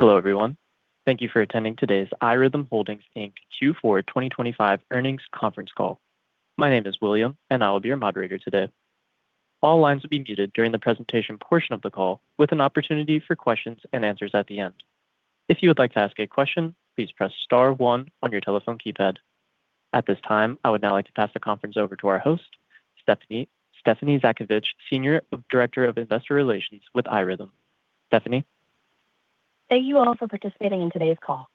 Hello, everyone. Thank you for attending today's iRhythm Technologies, Inc. Q4 2025 Earnings Conference Call. My name is William, and I will be your moderator today. All lines will be muted during the presentation portion of the call, with an opportunity for questions and answers at the end. If you would like to ask a question, please press star one on your telephone keypad. At this time, I would now like to pass the conference over to our host, Stephanie Zhadkevich, Senior Director of Investor Relations with iRhythm. Stephanie? Thank you all for participating in today's call.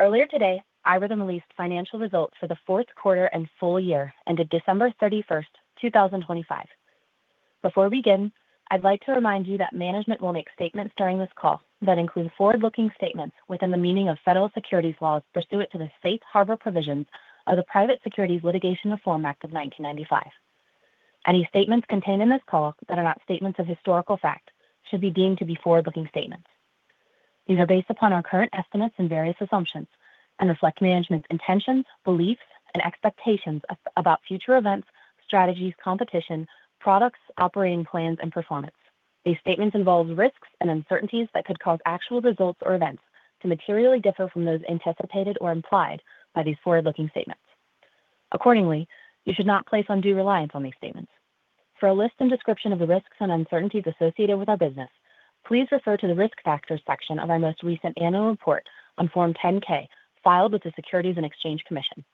Earlier today, iRhythm released financial results for the fourth quarter and full year, ended December 31st, 2025. Before we begin, I'd like to remind you that management will make statements during this call that include forward-looking statements within the meaning of federal securities laws pursuant to the Safe Harbor provisions of the Private Securities Litigation Reform Act of 1995. Any statements contained in this call that are not statements of historical fact should be deemed to be forward-looking statements. These are based upon our current estimates and various assumptions and reflect management's intentions, beliefs, and expectations about future events, strategies, competition, products, operating plans, and performance. These statements involve risks and uncertainties that could cause actual results or events to materially differ from those anticipated or implied by these forward-looking statements. Accordingly, you should not place undue reliance on these statements. For a list and description of the risks and uncertainties associated with our business, please refer to the Risk Factors section of our most recent annual report on Form 10-K, filed with the Securities and Exchange Commission.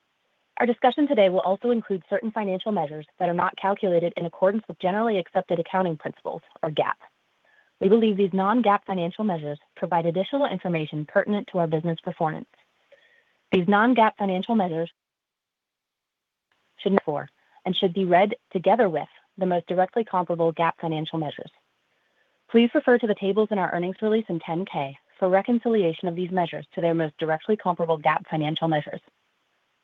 Our discussion today will also include certain financial measures that are not calculated in accordance with generally accepted accounting principles, or GAAP. We believe these non-GAAP financial measures provide additional information pertinent to our business performance. These non-GAAP financial measures should, and should be read together with the most directly comparable GAAP financial measures. Please refer to the tables in our earnings release and 10-K for reconciliation of these measures to their most directly comparable GAAP financial measures.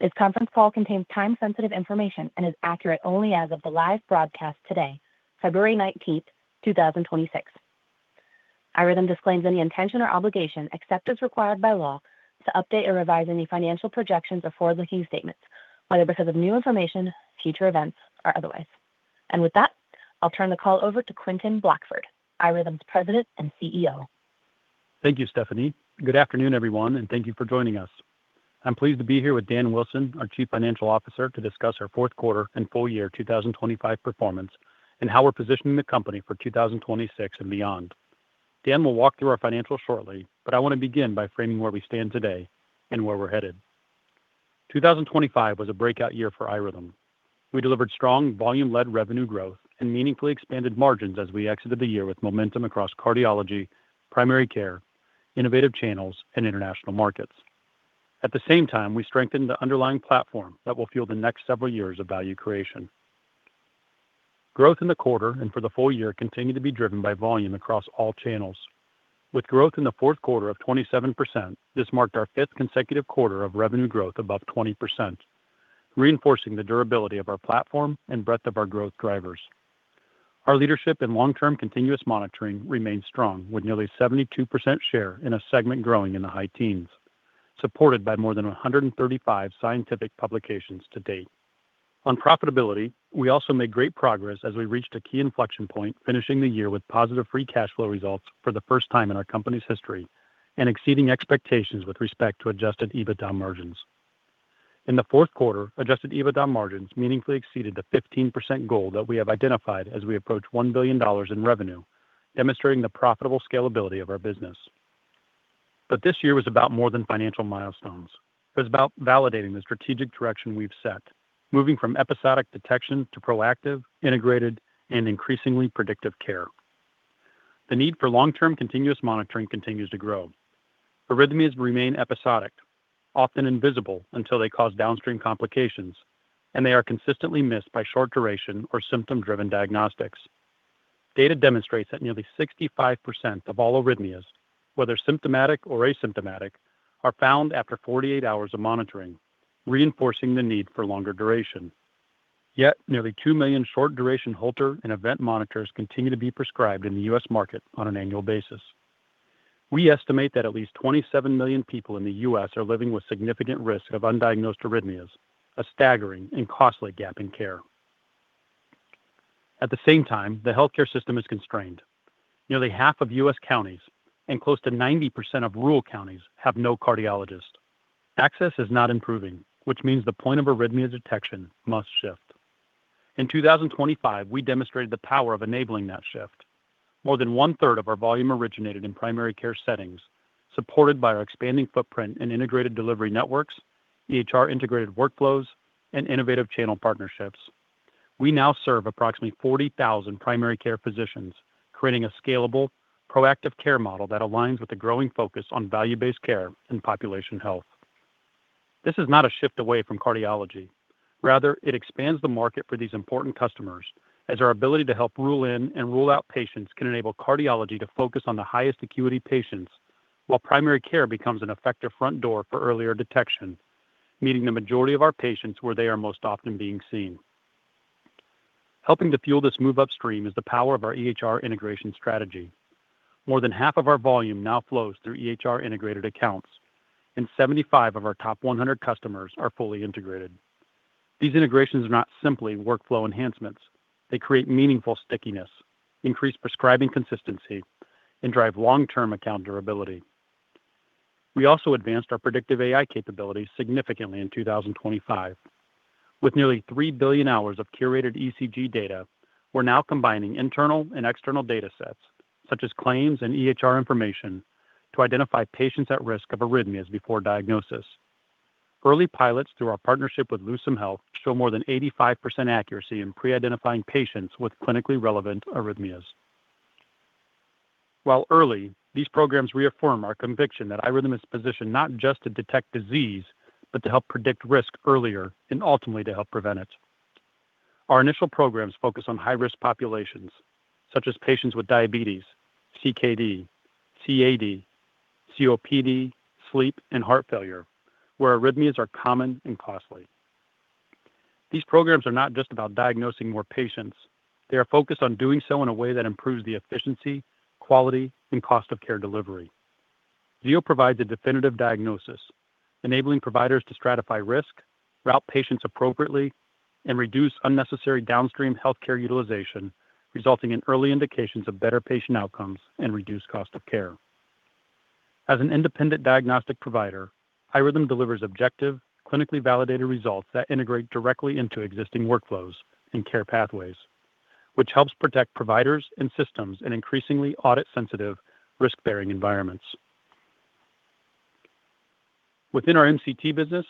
This conference call contains time-sensitive information and is accurate only as of the live broadcast today, February 19th, 2026. iRhythm disclaims any intention or obligation, except as required by law, to update or revise any financial projections or forward-looking statements, whether because of new information, future events, or otherwise. And with that, I'll turn the call over to Quentin Blackford, iRhythm's President and CEO. Thank you, Stephanie. Good afternoon, everyone, and thank you for joining us. I'm pleased to be here with Dan Wilson, our Chief Financial Officer, to discuss our fourth quarter and full year 2025 performance and how we're positioning the company for 2026 and beyond. Dan will walk through our financials shortly, but I want to begin by framing where we stand today and where we're headed. 2025 was a breakout year for iRhythm. We delivered strong, volume-led revenue growth and meaningfully expanded margins as we exited the year with momentum across cardiology, primary care, innovative channels, and international markets. At the same time, we strengthened the underlying platform that will fuel the next several years of value creation. Growth in the quarter and for the full year continued to be driven by volume across all channels. With growth in the fourth quarter of 27%, this marked our fifth consecutive quarter of revenue growth above 20%, reinforcing the durability of our platform and breadth of our growth drivers. Our leadership in long-term continuous monitoring remains strong, with nearly 72% share in a segment growing in the high teens, supported by more than 135 scientific publications to date. On profitability, we also made great progress as we reached a key inflection point, finishing the year with positive free cash flow results for the first time in our company's history and exceeding expectations with respect to Adjusted EBITDA margins. In the fourth quarter, Adjusted EBITDA margins meaningfully exceeded the 15% goal that we have identified as we approach $1 billion in revenue, demonstrating the profitable scalability of our business. But this year was about more than financial milestones. It was about validating the strategic direction we've set, moving from episodic detection to proactive, integrated, and increasingly predictive care. The need for long-term continuous monitoring continues to grow. Arrhythmias remain episodic, often invisible until they cause downstream complications, and they are consistently missed by short-duration or symptom-driven diagnostics. Data demonstrates that nearly 65% of all arrhythmias, whether symptomatic or asymptomatic, are found after 48 hours of monitoring, reinforcing the need for longer duration. Yet nearly 2 million short-duration Holter and event monitors continue to be prescribed in the U.S. market on an annual basis. We estimate that at least 27 million people in the U.S. are living with significant risk of undiagnosed arrhythmias, a staggering and costly gap in care. At the same time, the healthcare system is constrained. Nearly half of U.S. counties and close to 90% of rural counties have no cardiologist. Access is not improving, which means the point of arrhythmia detection must shift. In 2025, we demonstrated the power of enabling that shift. More than one-third of our volume originated in primary care settings, supported by our expanding footprint in integrated delivery networks, EHR-integrated workflows, and innovative channel partnerships. We now serve approximately 40,000 primary care physicians, creating a scalable, proactive care model that aligns with the growing focus on value-based care and population health. This is not a shift away from cardiology. Rather, it expands the market for these important customers as our ability to help rule in and rule out patients can enable cardiology to focus on the highest acuity patients, while primary care becomes an effective front door for earlier detection, meeting the majority of our patients where they are most often being seen. Helping to fuel this move upstream is the power of our EHR integration strategy. More than half of our volume now flows through EHR-integrated accounts, and 75 of our top 100 customers are fully integrated. These integrations are not simply workflow enhancements. They create meaningful stickiness, increase prescribing consistency, and drive long-term account durability. We also advanced our predictive AI capabilities significantly in 2025. With nearly 3 billion hours of curated ECG data, we're now combining internal and external data sets, such as claims and EHR information, to identify patients at risk of arrhythmias before diagnosis. Early pilots through our partnership with Lucem Health show more than 85% accuracy in pre-identifying patients with clinically relevant arrhythmias. While early, these programs reaffirm our conviction that iRhythm is positioned not just to detect disease, but to help predict risk earlier and ultimately to help prevent it. Our initial programs focus on high-risk populations, such as patients with diabetes, CKD, CAD, COPD, sleep, and heart failure, where arrhythmias are common and costly. These programs are not just about diagnosing more patients, they are focused on doing so in a way that improves the efficiency, quality, and cost of care delivery. Zio provides a definitive diagnosis, enabling providers to stratify risk, route patients appropriately, and reduce unnecessary downstream healthcare utilization, resulting in early indications of better patient outcomes and reduced cost of care. As an independent diagnostic provider, iRhythm delivers objective, clinically validated results that integrate directly into existing workflows and care pathways, which helps protect providers and systems in increasingly audit-sensitive, risk-bearing environments. Within our MCT business,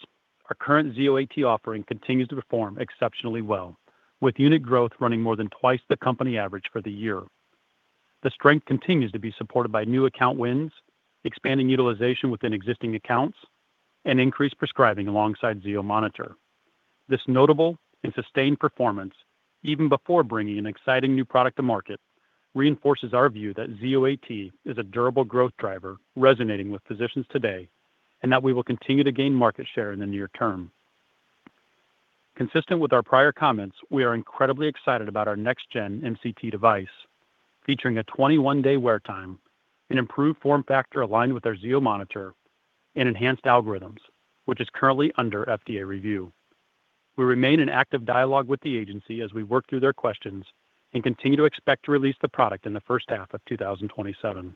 our current Zio AT offering continues to perform exceptionally well, with unit growth running more than twice the company average for the year. The strength continues to be supported by new account wins, expanding utilization within existing accounts, and increased prescribing alongside Zio monitor. This notable and sustained performance, even before bringing an exciting new product to market, reinforces our view that Zio AT is a durable growth driver resonating with physicians today, and that we will continue to gain market share in the near term. Consistent with our prior comments, we are incredibly excited about our next-gen MCT device, featuring a 21-day wear time, an improved form factor aligned with our Zio monitor, and enhanced algorithms, which is currently under FDA review. We remain in active dialogue with the agency as we work through their questions and continue to expect to release the product in the first half of 2027.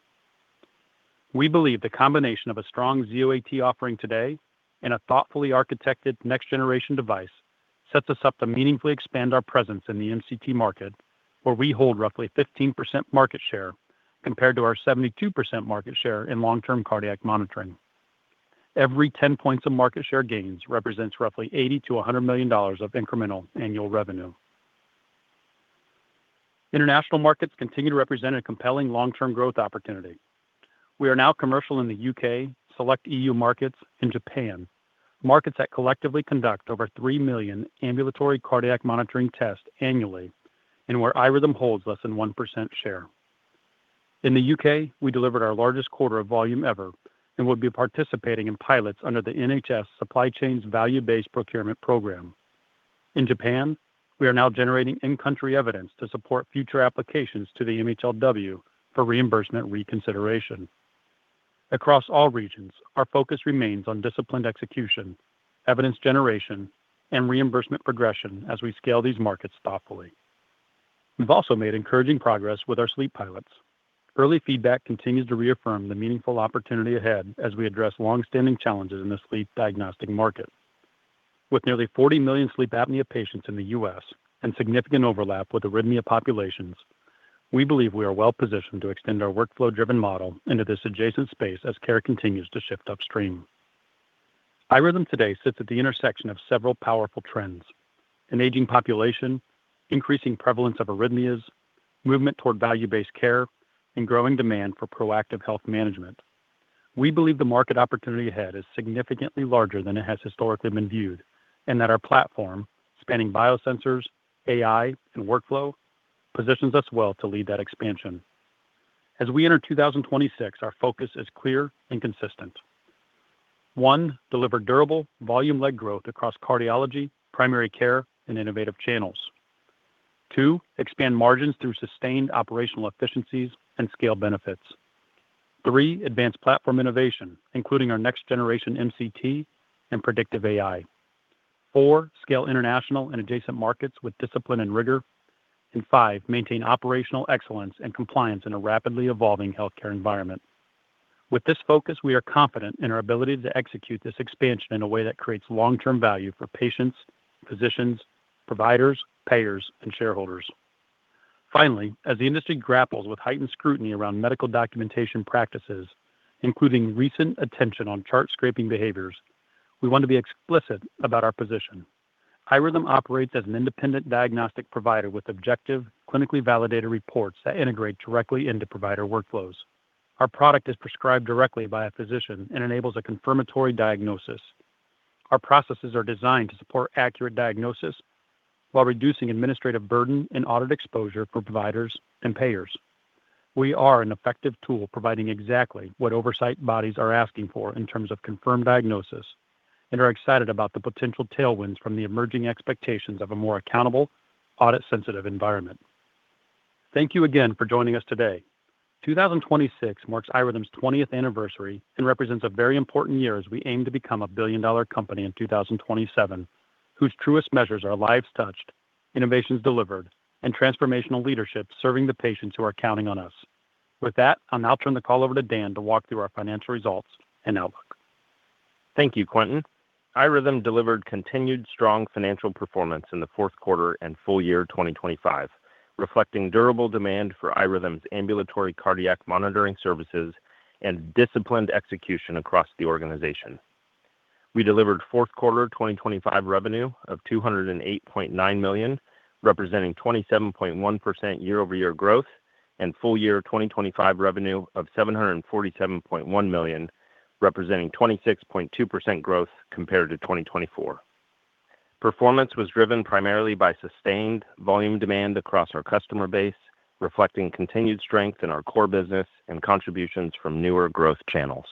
We believe the combination of a strong Zio AT offering today and a thoughtfully architected next-generation device sets us up to meaningfully expand our presence in the MCT market, where we hold roughly 15% market share, compared to our 72% market share in long-term cardiac monitoring. Every 10 points of market share gains represents roughly $80 million-$100 million of incremental annual revenue. International markets continue to represent a compelling long-term growth opportunity. We are now commercial in the U.K., select E.U. markets, and Japan, markets that collectively conduct over 3 million ambulatory cardiac monitoring tests annually and where iRhythm holds less than 1% share. In the U.K., we delivered our largest quarter of volume ever and will be participating in pilots under the NHS Supply Chain's value-based procurement program. In Japan, we are now generating in-country evidence to support future applications to the MHLW for reimbursement reconsideration. Across all regions, our focus remains on disciplined execution, evidence generation, and reimbursement progression as we scale these markets thoughtfully. We've also made encouraging progress with our sleep pilots. Early feedback continues to reaffirm the meaningful opportunity ahead as we address long-standing challenges in the sleep diagnostic market. With nearly 40 million sleep apnea patients in the U.S. and significant overlap with arrhythmia populations, we believe we are well positioned to extend our workflow-driven model into this adjacent space as care continues to shift upstream. iRhythm today sits at the intersection of several powerful trends: an aging population, increasing prevalence of arrhythmias, movement toward value-based care, and growing demand for proactive health management. We believe the market opportunity ahead is significantly larger than it has historically been viewed, and that our platform, spanning biosensors, AI, and workflow, positions us well to lead that expansion. As we enter 2026, our focus is clear and consistent. One, deliver durable, volume-led growth across cardiology, primary care, and innovative channels. Two, expand margins through sustained operational efficiencies and scale benefits. Three, advance platform innovation, including our next-generation MCT and predictive AI. Four, scale international and adjacent markets with discipline and rigor. And five, maintain operational excellence and compliance in a rapidly evolving healthcare environment. With this focus, we are confident in our ability to execute this expansion in a way that creates long-term value for patients, physicians, providers, payers, and shareholders. Finally, as the industry grapples with heightened scrutiny around medical documentation practices, including recent attention on chart-scraping behaviors, we want to be explicit about our position. iRhythm operates as an independent diagnostic provider with objective, clinically validated reports that integrate directly into provider workflows. Our product is prescribed directly by a physician and enables a confirmatory diagnosis. Our processes are designed to support accurate diagnosis while reducing administrative burden and audit exposure for providers and payers. We are an effective tool providing exactly what oversight bodies are asking for in terms of confirmed diagnosis and are excited about the potential tailwinds from the emerging expectations of a more accountable, audit-sensitive environment. Thank you again for joining us today. 2026 marks iRhythm's twentieth anniversary and represents a very important year as we aim to become a billion-dollar company in 2027, whose truest measures are lives touched, innovations delivered, and transformational leadership serving the patients who are counting on us. With that, I'll now turn the call over to Dan to walk through our financial results and outlook. Thank you, Quentin. iRhythm delivered continued strong financial performance in the fourth quarter and full year 2025, reflecting durable demand for iRhythm's ambulatory cardiac monitoring services and disciplined execution across the organization. We delivered fourth quarter 2025 revenue of $208.9 million, representing 27.1% year-over-year growth, and full year 2025 revenue of $747.1 million, representing 26.2% growth compared to 2024. Performance was driven primarily by sustained volume demand across our customer base, reflecting continued strength in our core business and contributions from newer growth channels.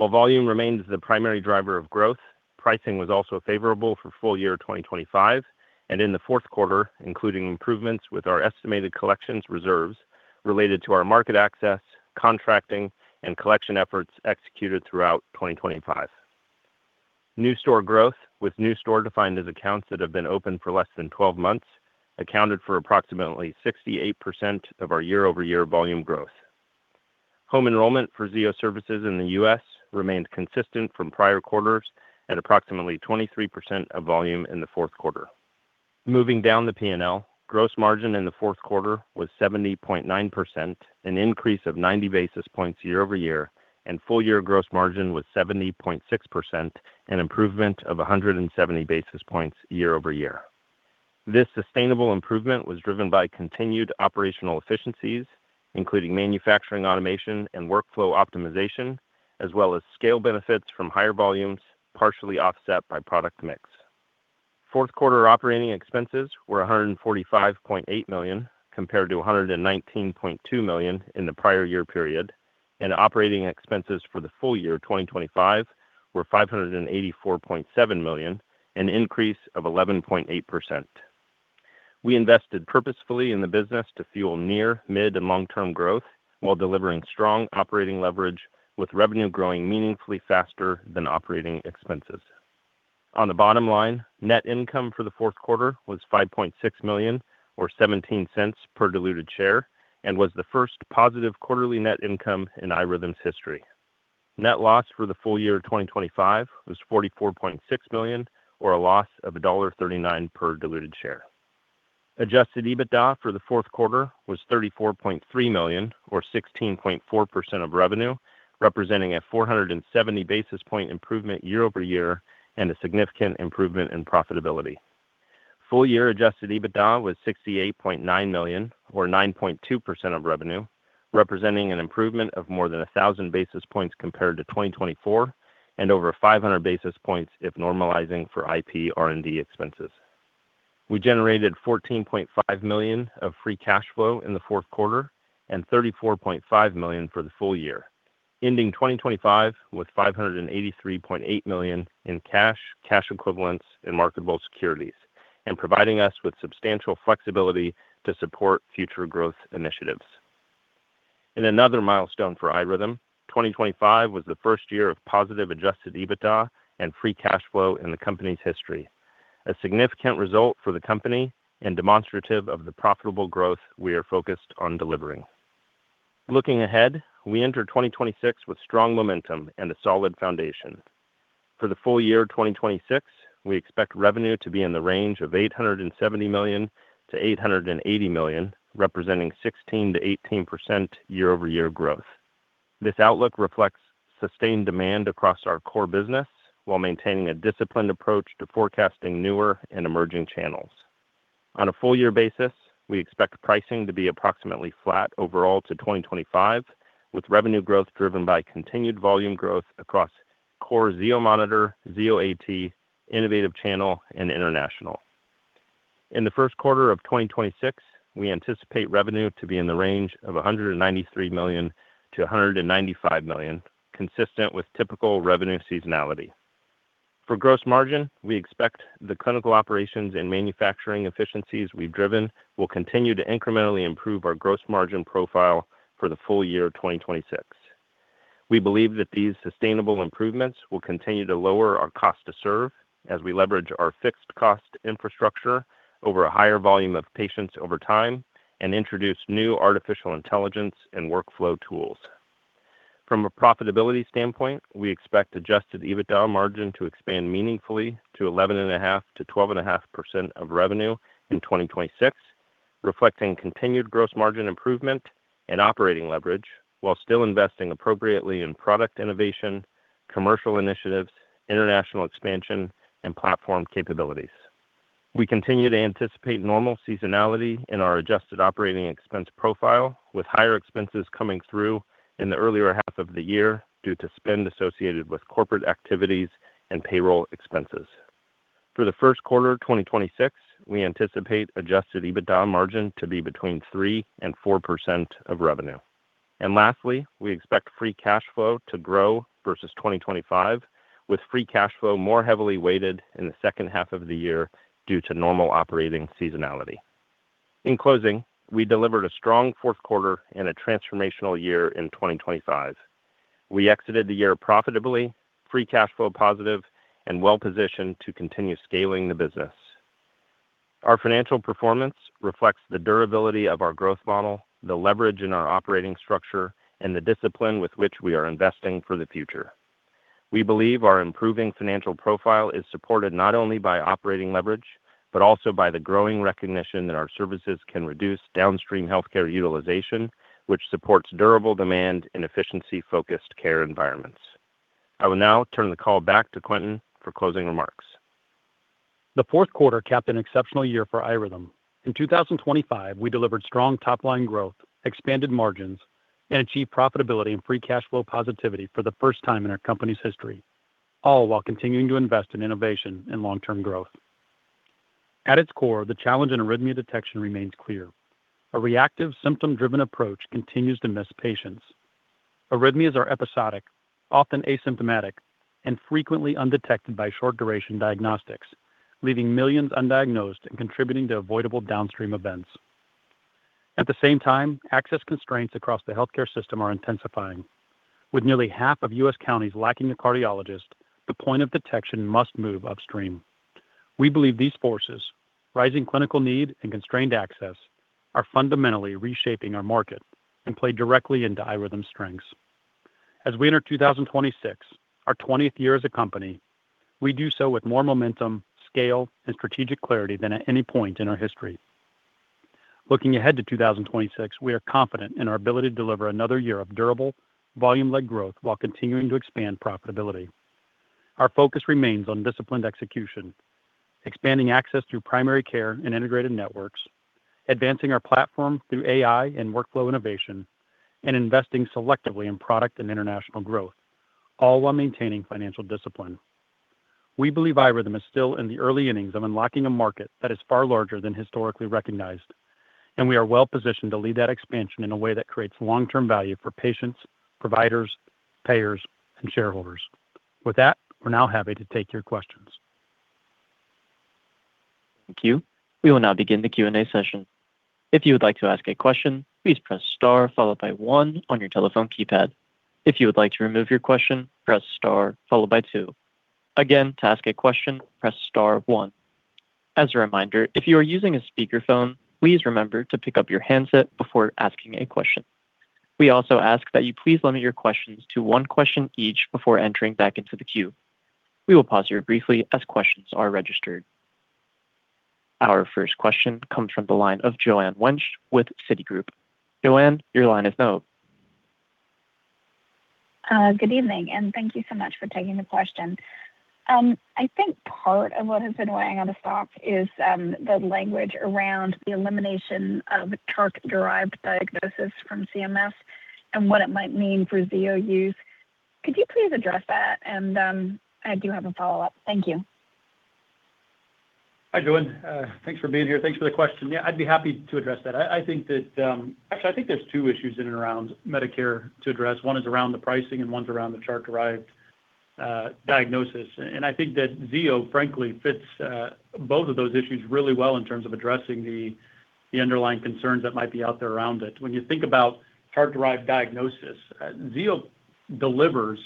While volume remains the primary driver of growth, pricing was also favorable for full year 2025 and in the fourth quarter, including improvements with our estimated collections reserves related to our market access, contracting, and collection efforts executed throughout 2025. New store growth, with new store defined as accounts that have been open for less than 12 months, accounted for approximately 68% of our year-over-year volume growth. Home enrollment for Zio Services in the U.S. remained consistent from prior quarters at approximately 23% of volume in the fourth quarter. Moving down the P&L, gross margin in the fourth quarter was 70.9%, an increase of 90 basis points year-over-year, and full year gross margin was 70.6%, an improvement of 170 basis points year-over-year. This sustainable improvement was driven by continued operational efficiencies, including manufacturing, automation, and workflow optimization, as well as scale benefits from higher volumes, partially offset by product mix. Fourth quarter operating expenses were $145.8 million, compared to $119.2 million in the prior year period, and operating expenses for the full year 2025 were $584.7 million, an increase of 11.8%. We invested purposefully in the business to fuel near, mid, and long-term growth while delivering strong operating leverage, with revenue growing meaningfully faster than operating expenses. On the bottom line, net income for the fourth quarter was $5.6 million, or $0.17 per diluted share, and was the first positive quarterly net income in iRhythm's history. Net loss for the full year 2025 was $44.6 million, or a loss of $1.39 per diluted share. Adjusted EBITDA for the fourth quarter was $34.3 million, or 16.4% of revenue, representing a 470 basis point improvement year-over-year and a significant improvement in profitability. Full year adjusted EBITDA was $68.9 million, or 9.2% of revenue, representing an improvement of more than 1,000 basis points compared to 2024 and over 500 basis points if normalizing for IP R&D expenses. We generated $14.5 million of free cash flow in the fourth quarter and $34.5 million for the full year, ending 2025 with $583.8 million in cash, cash equivalents, and marketable securities, and providing us with substantial flexibility to support future growth initiatives. In another milestone for iRhythm, 2025 was the first year of positive adjusted EBITDA and free cash flow in the company's history, a significant result for the company and demonstrative of the profitable growth we are focused on delivering. Looking ahead, we enter 2026 with strong momentum and a solid foundation. For the full year 2026, we expect revenue to be in the range of $870 million-$880 million, representing 16%-18% year-over-year growth. This outlook reflects sustained demand across our core business while maintaining a disciplined approach to forecasting newer and emerging channels. On a full year basis, we expect pricing to be approximately flat overall to 2025, with revenue growth driven by continued volume growth across core Zio monitor, Zio AT, Innovative Channel, and International. In the first quarter of 2026, we anticipate revenue to be in the range of $193 million-$195 million, consistent with typical revenue seasonality. For gross margin, we expect the clinical operations and manufacturing efficiencies we've driven will continue to incrementally improve our gross margin profile for the full year 2026. We believe that these sustainable improvements will continue to lower our cost to serve as we leverage our fixed cost infrastructure over a higher volume of patients over time and introduce new artificial intelligence and workflow tools. From a profitability standpoint, we expect adjusted EBITDA margin to expand meaningfully to 11.5%-12.5% of revenue in 2026, reflecting continued gross margin improvement and operating leverage while still investing appropriately in product innovation, commercial initiatives, international expansion, and platform capabilities. We continue to anticipate normal seasonality in our adjusted operating expense profile, with higher expenses coming through in the earlier half of the year due to spend associated with corporate activities and payroll expenses. For the first quarter 2026, we anticipate Adjusted EBITDA margin to be between 3% and 4% of revenue. Lastly, we expect free cash flow to grow versus 2025, with free cash flow more heavily weighted in the second half of the year due to normal operating seasonality. In closing, we delivered a strong fourth quarter and a transformational year in 2025. We exited the year profitably, free cash flow positive, and well-positioned to continue scaling the business. Our financial performance reflects the durability of our growth model, the leverage in our operating structure, and the discipline with which we are investing for the future. We believe our improving financial profile is supported not only by operating leverage, but also by the growing recognition that our services can reduce downstream healthcare utilization, which supports durable demand and efficiency-focused care environments. I will now turn the call back to Quentin for closing remarks. The fourth quarter capped an exceptional year for iRhythm. In 2025, we delivered strong top-line growth, expanded margins, and achieved profitability and free cash flow positivity for the first time in our company's history, all while continuing to invest in innovation and long-term growth. At its core, the challenge in arrhythmia detection remains clear. A reactive, symptom-driven approach continues to miss patients. Arrhythmias are episodic, often asymptomatic, and frequently undetected by short-duration diagnostics, leaving millions undiagnosed and contributing to avoidable downstream events. At the same time, access constraints across the healthcare system are intensifying. With nearly half of U.S. counties lacking a cardiologist, the point of detection must move upstream. We believe these forces, rising clinical need and constrained access, are fundamentally reshaping our market and play directly into iRhythm's strengths. As we enter 2026, our twentieth year as a company, we do so with more momentum, scale, and strategic clarity than at any point in our history. Looking ahead to 2026, we are confident in our ability to deliver another year of durable, volume-led growth while continuing to expand profitability. Our focus remains on disciplined execution, expanding access through primary care and integrated networks, advancing our platform through AI and workflow innovation, and investing selectively in product and international growth, all while maintaining financial discipline. We believe iRhythm is still in the early innings of unlocking a market that is far larger than historically recognized, and we are well positioned to lead that expansion in a way that creates long-term value for patients, providers, payers, and shareholders. With that, we're now happy to take your questions. Thank you. We will now begin the Q&A session. If you would like to ask a question, please press star followed by one on your telephone keypad. If you would like to remove your question, press star followed by two. Again, to ask a question, press star one. As a reminder, if you are using a speakerphone, please remember to pick up your handset before asking a question. We also ask that you please limit your questions to one question each before entering back into the queue. We will pause here briefly as questions are registered. Our first question comes from the line of Joanne Wuensch with Citigroup. Joanne, your line is now. Good evening, and thank you so much for taking the question. I think part of what has been weighing on the stock is the language around the elimination of chart-derived diagnosis from CMS and what it might mean for Zio use. Could you please address that? And I do have a follow-up. Thank you. Hi, Joanne. Thanks for being here. Thanks for the question. Yeah, I'd be happy to address that. I think that. Actually, I think there's two issues in and around Medicare to address. One is around the pricing, and one's around the chart-derived diagnosis. I think that Zio, frankly, fits both of those issues really well in terms of addressing the underlying concerns that might be out there around it. When you think about chart-derived diagnosis, Zio delivers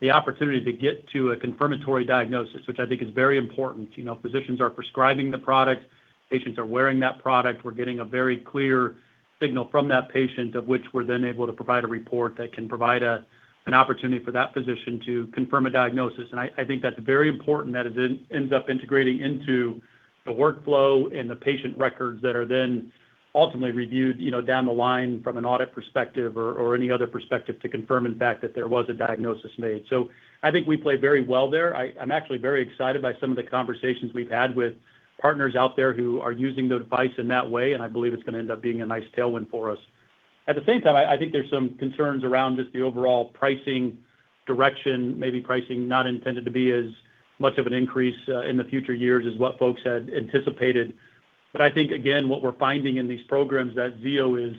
the opportunity to get to a confirmatory diagnosis, which I think is very important. You know, physicians are prescribing the product, patients are wearing that product. We're getting a very clear signal from that patient, of which we're then able to provide a report that can provide an opportunity for that physician to confirm a diagnosis. I, I think that's very important that it then ends up integrating into the workflow and the patient records that are then ultimately reviewed, you know, down the line from an audit perspective or, or any other perspective to confirm, in fact, that there was a diagnosis made. So I think we play very well there. I, I'm actually very excited by some of the conversations we've had with partners out there who are using the device in that way, and I believe it's going to end up being a nice tailwind for us. At the same time, I, I think there's some concerns around just the overall pricing direction, maybe pricing not intended to be as much of an increase, in the future years as what folks had anticipated. But I think, again, what we're finding in these programs that Zio is,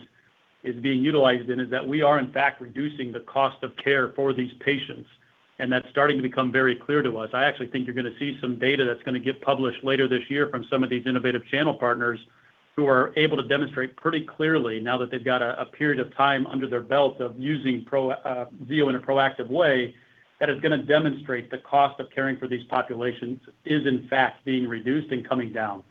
is being utilized in is that we are, in fact, reducing the cost of care for these patients, and that's starting to become very clear to us. I actually think you're going to see some data that's going to get published later this year from some of these innovative channel partners who are able to demonstrate pretty clearly, now that they've got a period of time under their belt of using Zio in a proactive way, that is going to demonstrate the cost of caring for these populations is, in fact, being reduced and coming down.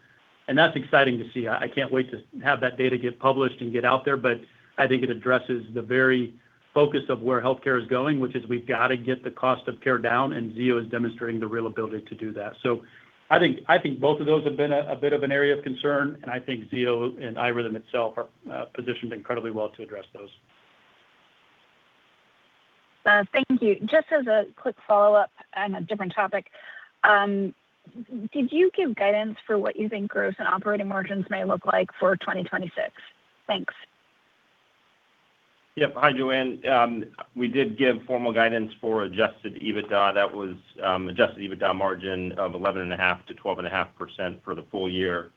And that's exciting to see. I can't wait to have that data get published and get out there, but I think it addresses the very focus of where healthcare is going, which is we've got to get the cost of care down, and Zio is demonstrating the real ability to do that. So I think both of those have been a bit of an area of concern, and I think Zio and iRhythm itself are positioned incredibly well to address those. Thank you. Just as a quick follow-up on a different topic, did you give guidance for what you think gross and operating margins may look like for 2026? Thanks. Yep. Hi, Joanne. We did give formal guidance for adjusted EBITDA. That was adjusted EBITDA margin of 11.5%-12.5% for the full year.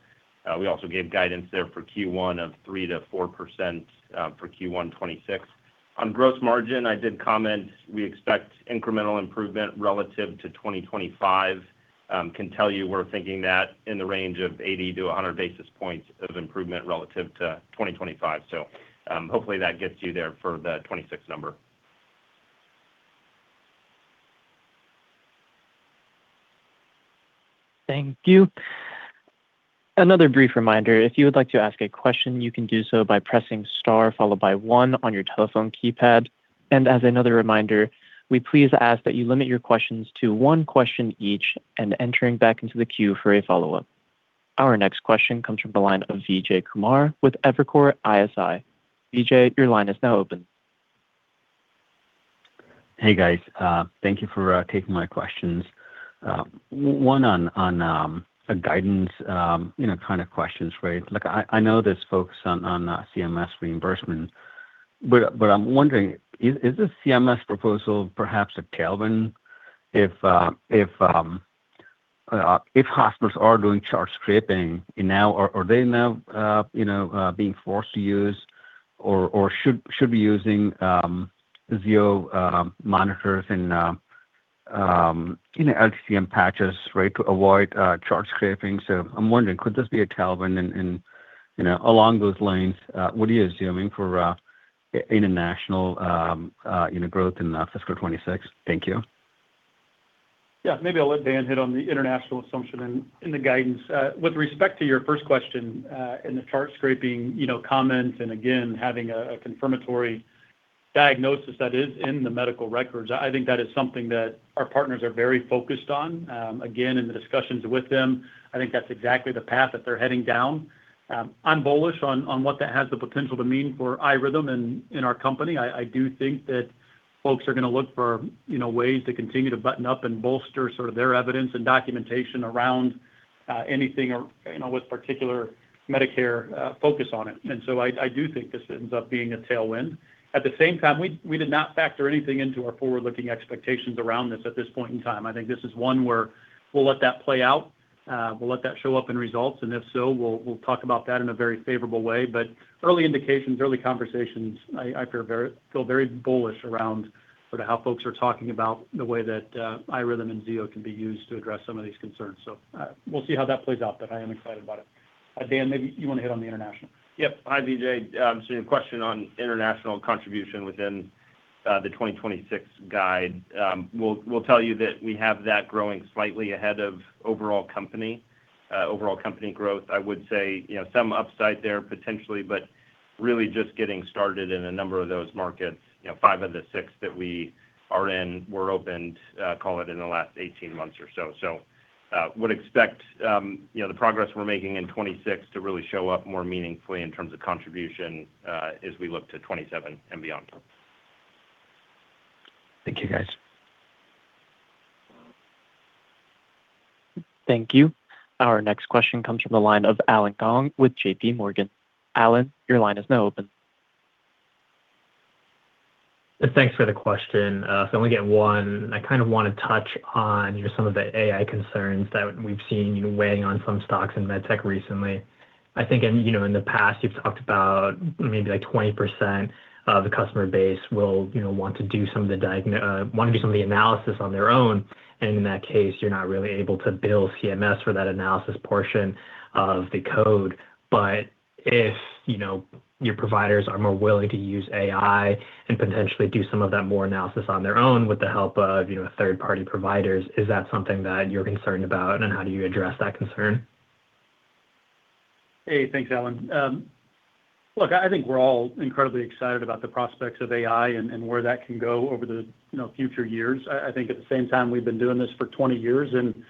We also gave guidance there for Q1 of 3%-4% for Q1 2026. On gross margin, I did comment, we expect incremental improvement relative to 2025. Can tell you we're thinking that in the range of 80-100 basis points of improvement relative to 2025. So, hopefully that gets you there for the 2026 number. Thank you. Another brief reminder, if you would like to ask a question, you can do so by pressing star followed by one on your telephone keypad. As another reminder, we please ask that you limit your questions to one question each and entering back into the queue for a follow-up. Our next question comes from the line of Vijay Kumar with Evercore ISI. Vijay, your line is now open. Hey, guys. Thank you for taking my questions. One on a guidance, you know, kind of questions, right? Look, I know this focus on CMS reimbursement, but I'm wondering, is this CMS proposal perhaps a tailwind if hospitals are doing chart scraping now, or are they now, you know, being forced to use or should be using Zio monitors and, you know, LTCM patches, right, to avoid chart scraping? So I'm wondering, could this be a tailwind? And you know, along those lines, what are you assuming for international, you know, growth in fiscal 2026? Thank you. Yeah. Maybe I'll let Dan hit on the international assumption in the guidance. With respect to your first question, in the chart scraping, you know, comment, and again, having a confirmatory diagnosis that is in the medical records, I think that is something that our partners are very focused on. Again, in the discussions with them, I think that's exactly the path that they're heading down. I'm bullish on what that has the potential to mean for iRhythm and in our company. I do think that folks are going to look for, you know, ways to continue to button up and bolster sort of their evidence and documentation around anything or, you know, with particular Medicare focus on it. And so I do think this ends up being a tailwind. At the same time, we did not factor anything into our forward-looking expectations around this at this point in time. I think this is one where we'll let that play out. We'll let that show up in results, and if so, we'll talk about that in a very favorable way. But early indications, early conversations, I feel very bullish around how folks are talking about the way that iRhythm and Zio can be used to address some of these concerns. So, we'll see how that plays out, but I am excited about it. Dan, maybe you want to hit on the international. Yep. Hi, Vijay. So your question on international contribution within the 2026 guide. We'll tell you that we have that growing slightly ahead of overall company growth. I would say, you know, some upside there potentially, but really just getting started in a number of those markets. You know, five of the six that we are in were opened, call it in the last 18 months or so. So would expect, you know, the progress we're making in 2026 to really show up more meaningfully in terms of contribution as we look to 2027 and beyond. Thank you, guys. Thank you. Our next question comes from the line of Allen Gong with J.P. Morgan. Allen, your line is now open. Thanks for the question. If I only get one, I kind of want to touch on some of your AI concerns that we've seen weighing on some stocks in MedTech recently. I think, you know, in the past, you've talked about maybe like 20% of the customer base will, you know, want to do some of the analysis on their own, and in that case, you're not really able to bill CMS for that analysis portion of the code. But if, you know, your providers are more willing to use AI and potentially do some of that more analysis on their own with the help of, you know, third-party providers, is that something that you're concerned about, and how do you address that concern? Hey, thanks, Allen. Look, I think we're all incredibly excited about the prospects of AI and where that can go over the, you know, future years. I think at the same time, we've been doing this for 20 years, and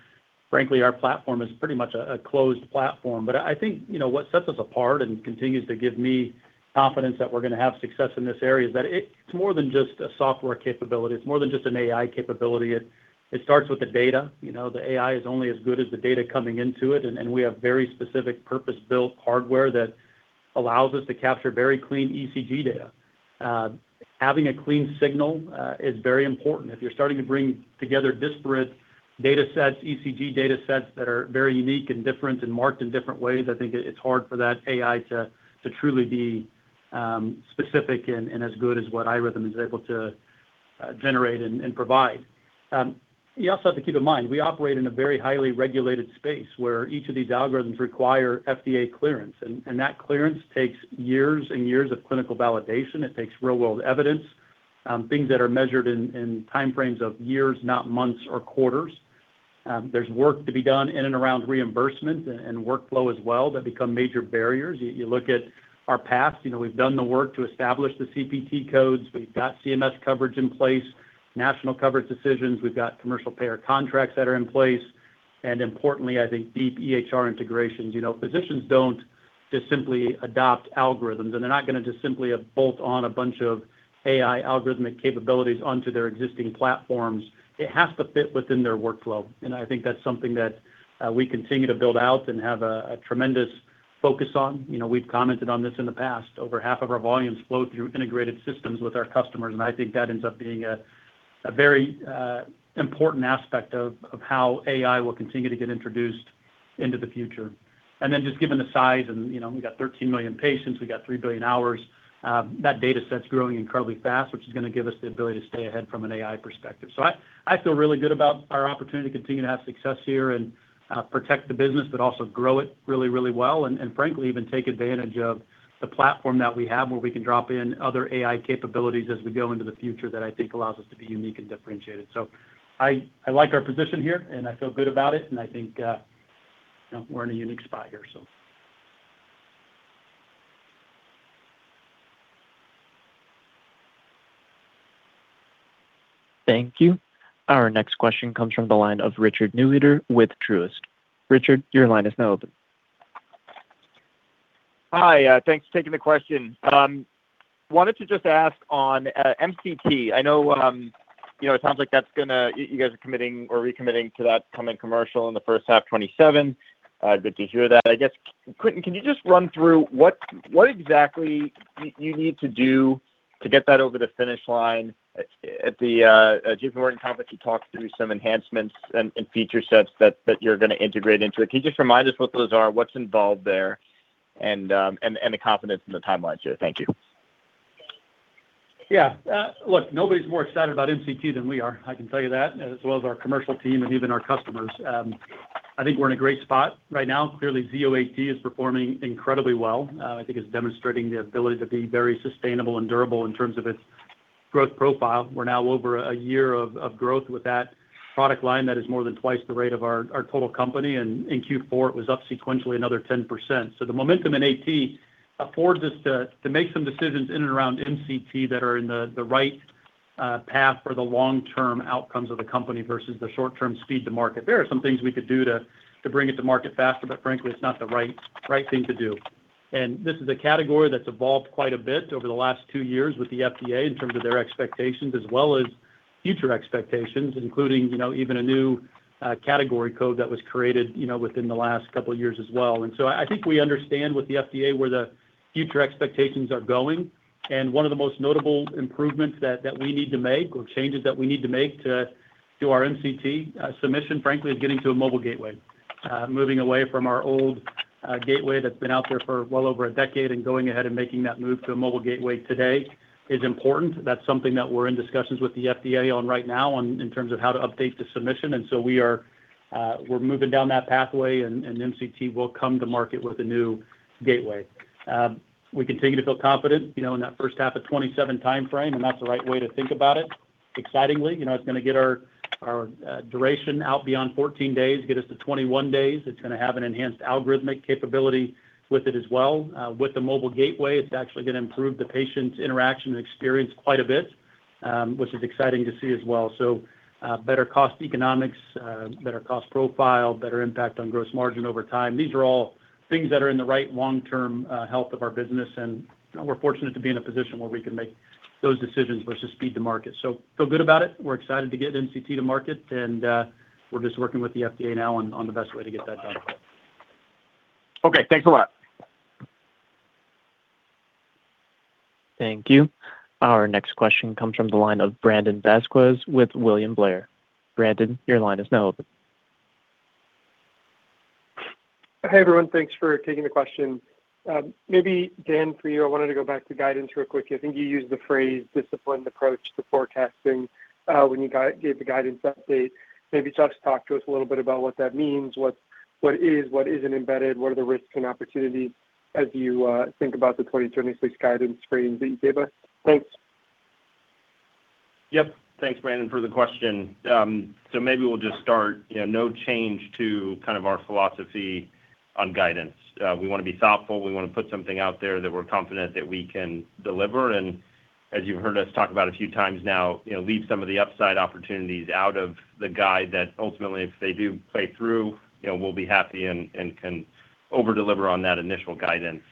frankly, our platform is pretty much a closed platform. But I think, you know, what sets us apart and continues to give me confidence that we're going to have success in this area, is that it's more than just a software capability. It's more than just an AI capability. It starts with the data. You know, the AI is only as good as the data coming into it, and we have very specific purpose-built hardware that allows us to capture very clean ECG data. Having a clean signal is very important. If you're starting to bring together disparate data sets, ECG data sets that are very unique and different and marked in different ways, I think it's hard for that AI to truly be specific and as good as what iRhythm is able to generate and provide. You also have to keep in mind, we operate in a very highly regulated space, where each of these algorithms require FDA clearance, and that clearance takes years and years of clinical validation. It takes real-world evidence, things that are measured in time frames of years, not months or quarters. There's work to be done in and around reimbursement and workflow as well, that become major barriers. You look at our past, you know, we've done the work to establish the CPT codes, we've got CMS coverage in place, national coverage decisions. We've got commercial payer contracts that are in place, and importantly, I think, deep EHR integrations. You know, physicians don't just simply adopt algorithms, and they're not gonna just simply bolt on a bunch of AI algorithmic capabilities onto their existing platforms. It has to fit within their workflow. And I think that's something that we continue to build out and have a tremendous focus on. You know, we've commented on this in the past. Over half of our volumes flow through integrated systems with our customers, and I think that ends up being a very important aspect of how AI will continue to get introduced into the future. Then just given the size, and, you know, we got 13 million patients, we got 3 billion hours, that data set's growing incredibly fast, which is gonna give us the ability to stay ahead from an AI perspective. So I, I feel really good about our opportunity to continue to have success here and, protect the business, but also grow it really, really well, and, and frankly, even take advantage of the platform that we have, where we can drop in other AI capabilities as we go into the future that I think allows us to be unique and differentiated. So I, I like our position here, and I feel good about it, and I think, you know, we're in a unique spot here, so. Thank you. Our next question comes from the line of Richard Newitter with Truist. Richard, your line is now open. Hi, thanks for taking the question. Wanted to just ask on MCT. I know, you know, it sounds like that's gonna you guys are committing or recommitting to that coming commercial in the first half 2027. Good to hear that. I guess, Quentin, can you just run through what exactly you need to do to get that over the finish line? At the J.P. Morgan conference, you talked through some enhancements and feature sets that you're gonna integrate into it. Can you just remind us what those are, what's involved there, and the confidence in the timeline here? Thank you. Yeah. Look, nobody's more excited about MCT than we are, I can tell you that, as well as our commercial team and even our customers. I think we're in a great spot right now. Clearly, Zio AT is performing incredibly well. I think it's demonstrating the ability to be very sustainable and durable in terms of its growth profile. We're now over a year of growth with that product line that is more than twice the rate of our total company, and in Q4, it was up sequentially another 10%. So the momentum in AT affords us to make some decisions in and around MCT that are in the right path for the long-term outcomes of the company versus the short-term speed to market. There are some things we could do to bring it to market faster, but frankly, it's not the right thing to do. This is a category that's evolved quite a bit over the last two years with the FDA, in terms of their expectations as well as future expectations, including, you know, even a new category code that was created, you know, within the last couple of years as well. So I think we understand with the FDA where the future expectations are going, and one of the most notable improvements that we need to make, or changes that we need to make to do our MCT submission, frankly, is getting to a mobile gateway. Moving away from our old gateway that's been out there for well over a decade and going ahead and making that move to a mobile gateway today is important. That's something that we're in discussions with the FDA on right now, in terms of how to update the submission, and so we are, we're moving down that pathway, and MCT will come to market with a new gateway. We continue to feel confident, you know, in that first half of 2027 timeframe, and that's the right way to think about it. Excitingly, you know, it's gonna get our duration out beyond 14 days, get us to 21 days. It's gonna have an enhanced algorithmic capability with it as well. With the mobile gateway, it's actually gonna improve the patient's interaction and experience quite a bit, which is exciting to see as well. So, better cost economics, better cost profile, better impact on gross margin over time. These are all things that are in the right long-term health of our business, and, you know, we're fortunate to be in a position where we can make those decisions versus speed to market. So feel good about it. We're excited to get MCT to market, and we're just working with the FDA now on the best way to get that done. Okay. Thanks a lot. Thank you. Our next question comes from the line of Brandon Vazquez with William Blair. Brandon, your line is now open. Hey, everyone. Thanks for taking the question. Maybe, Dan, for you, I wanted to go back to guidance real quick. I think you used the phrase "disciplined approach" to forecasting, when you gave the guidance update. Maybe just talk to us a little bit about what that means, what, what is, what isn't embedded, what are the risks and opportunities as you think about the 2026 guidance frames that you gave us. Thanks. Yep. Thanks, Brandon, for the question. So maybe we'll just start, you know, no change to kind of our philosophy on guidance. We wanna be thoughtful. We wanna put something out there that we're confident that we can deliver, and as you've heard us talk about a few times now, you know, leave some of the upside opportunities out of the guide that ultimately, if they do play through, you know, we'll be happy and can over-deliver on that initial guidance.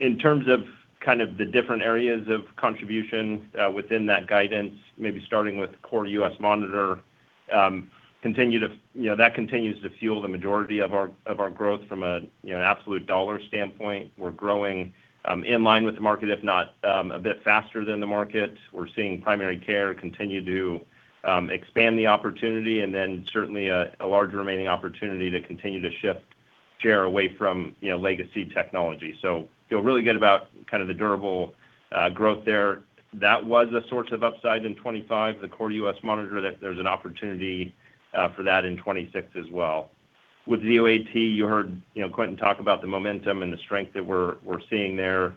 In terms of kind of the different areas of contribution within that guidance, maybe starting with core U.S. monitor, continue to, you know, that continues to fuel the majority of our growth from a you know absolute dollar standpoint. We're growing in line with the market, if not a bit faster than the market. We're seeing primary care continue to expand the opportunity, and then certainly a large remaining opportunity to continue to shift share away from, you know, legacy technology. So feel really good about kind of the durable growth there. That was a source of upside in 2025, the core U.S. monitor, that there's an opportunity for that in 2026 as well. With Zio AT, you heard, you know, Quentin talk about the momentum and the strength that we're seeing there.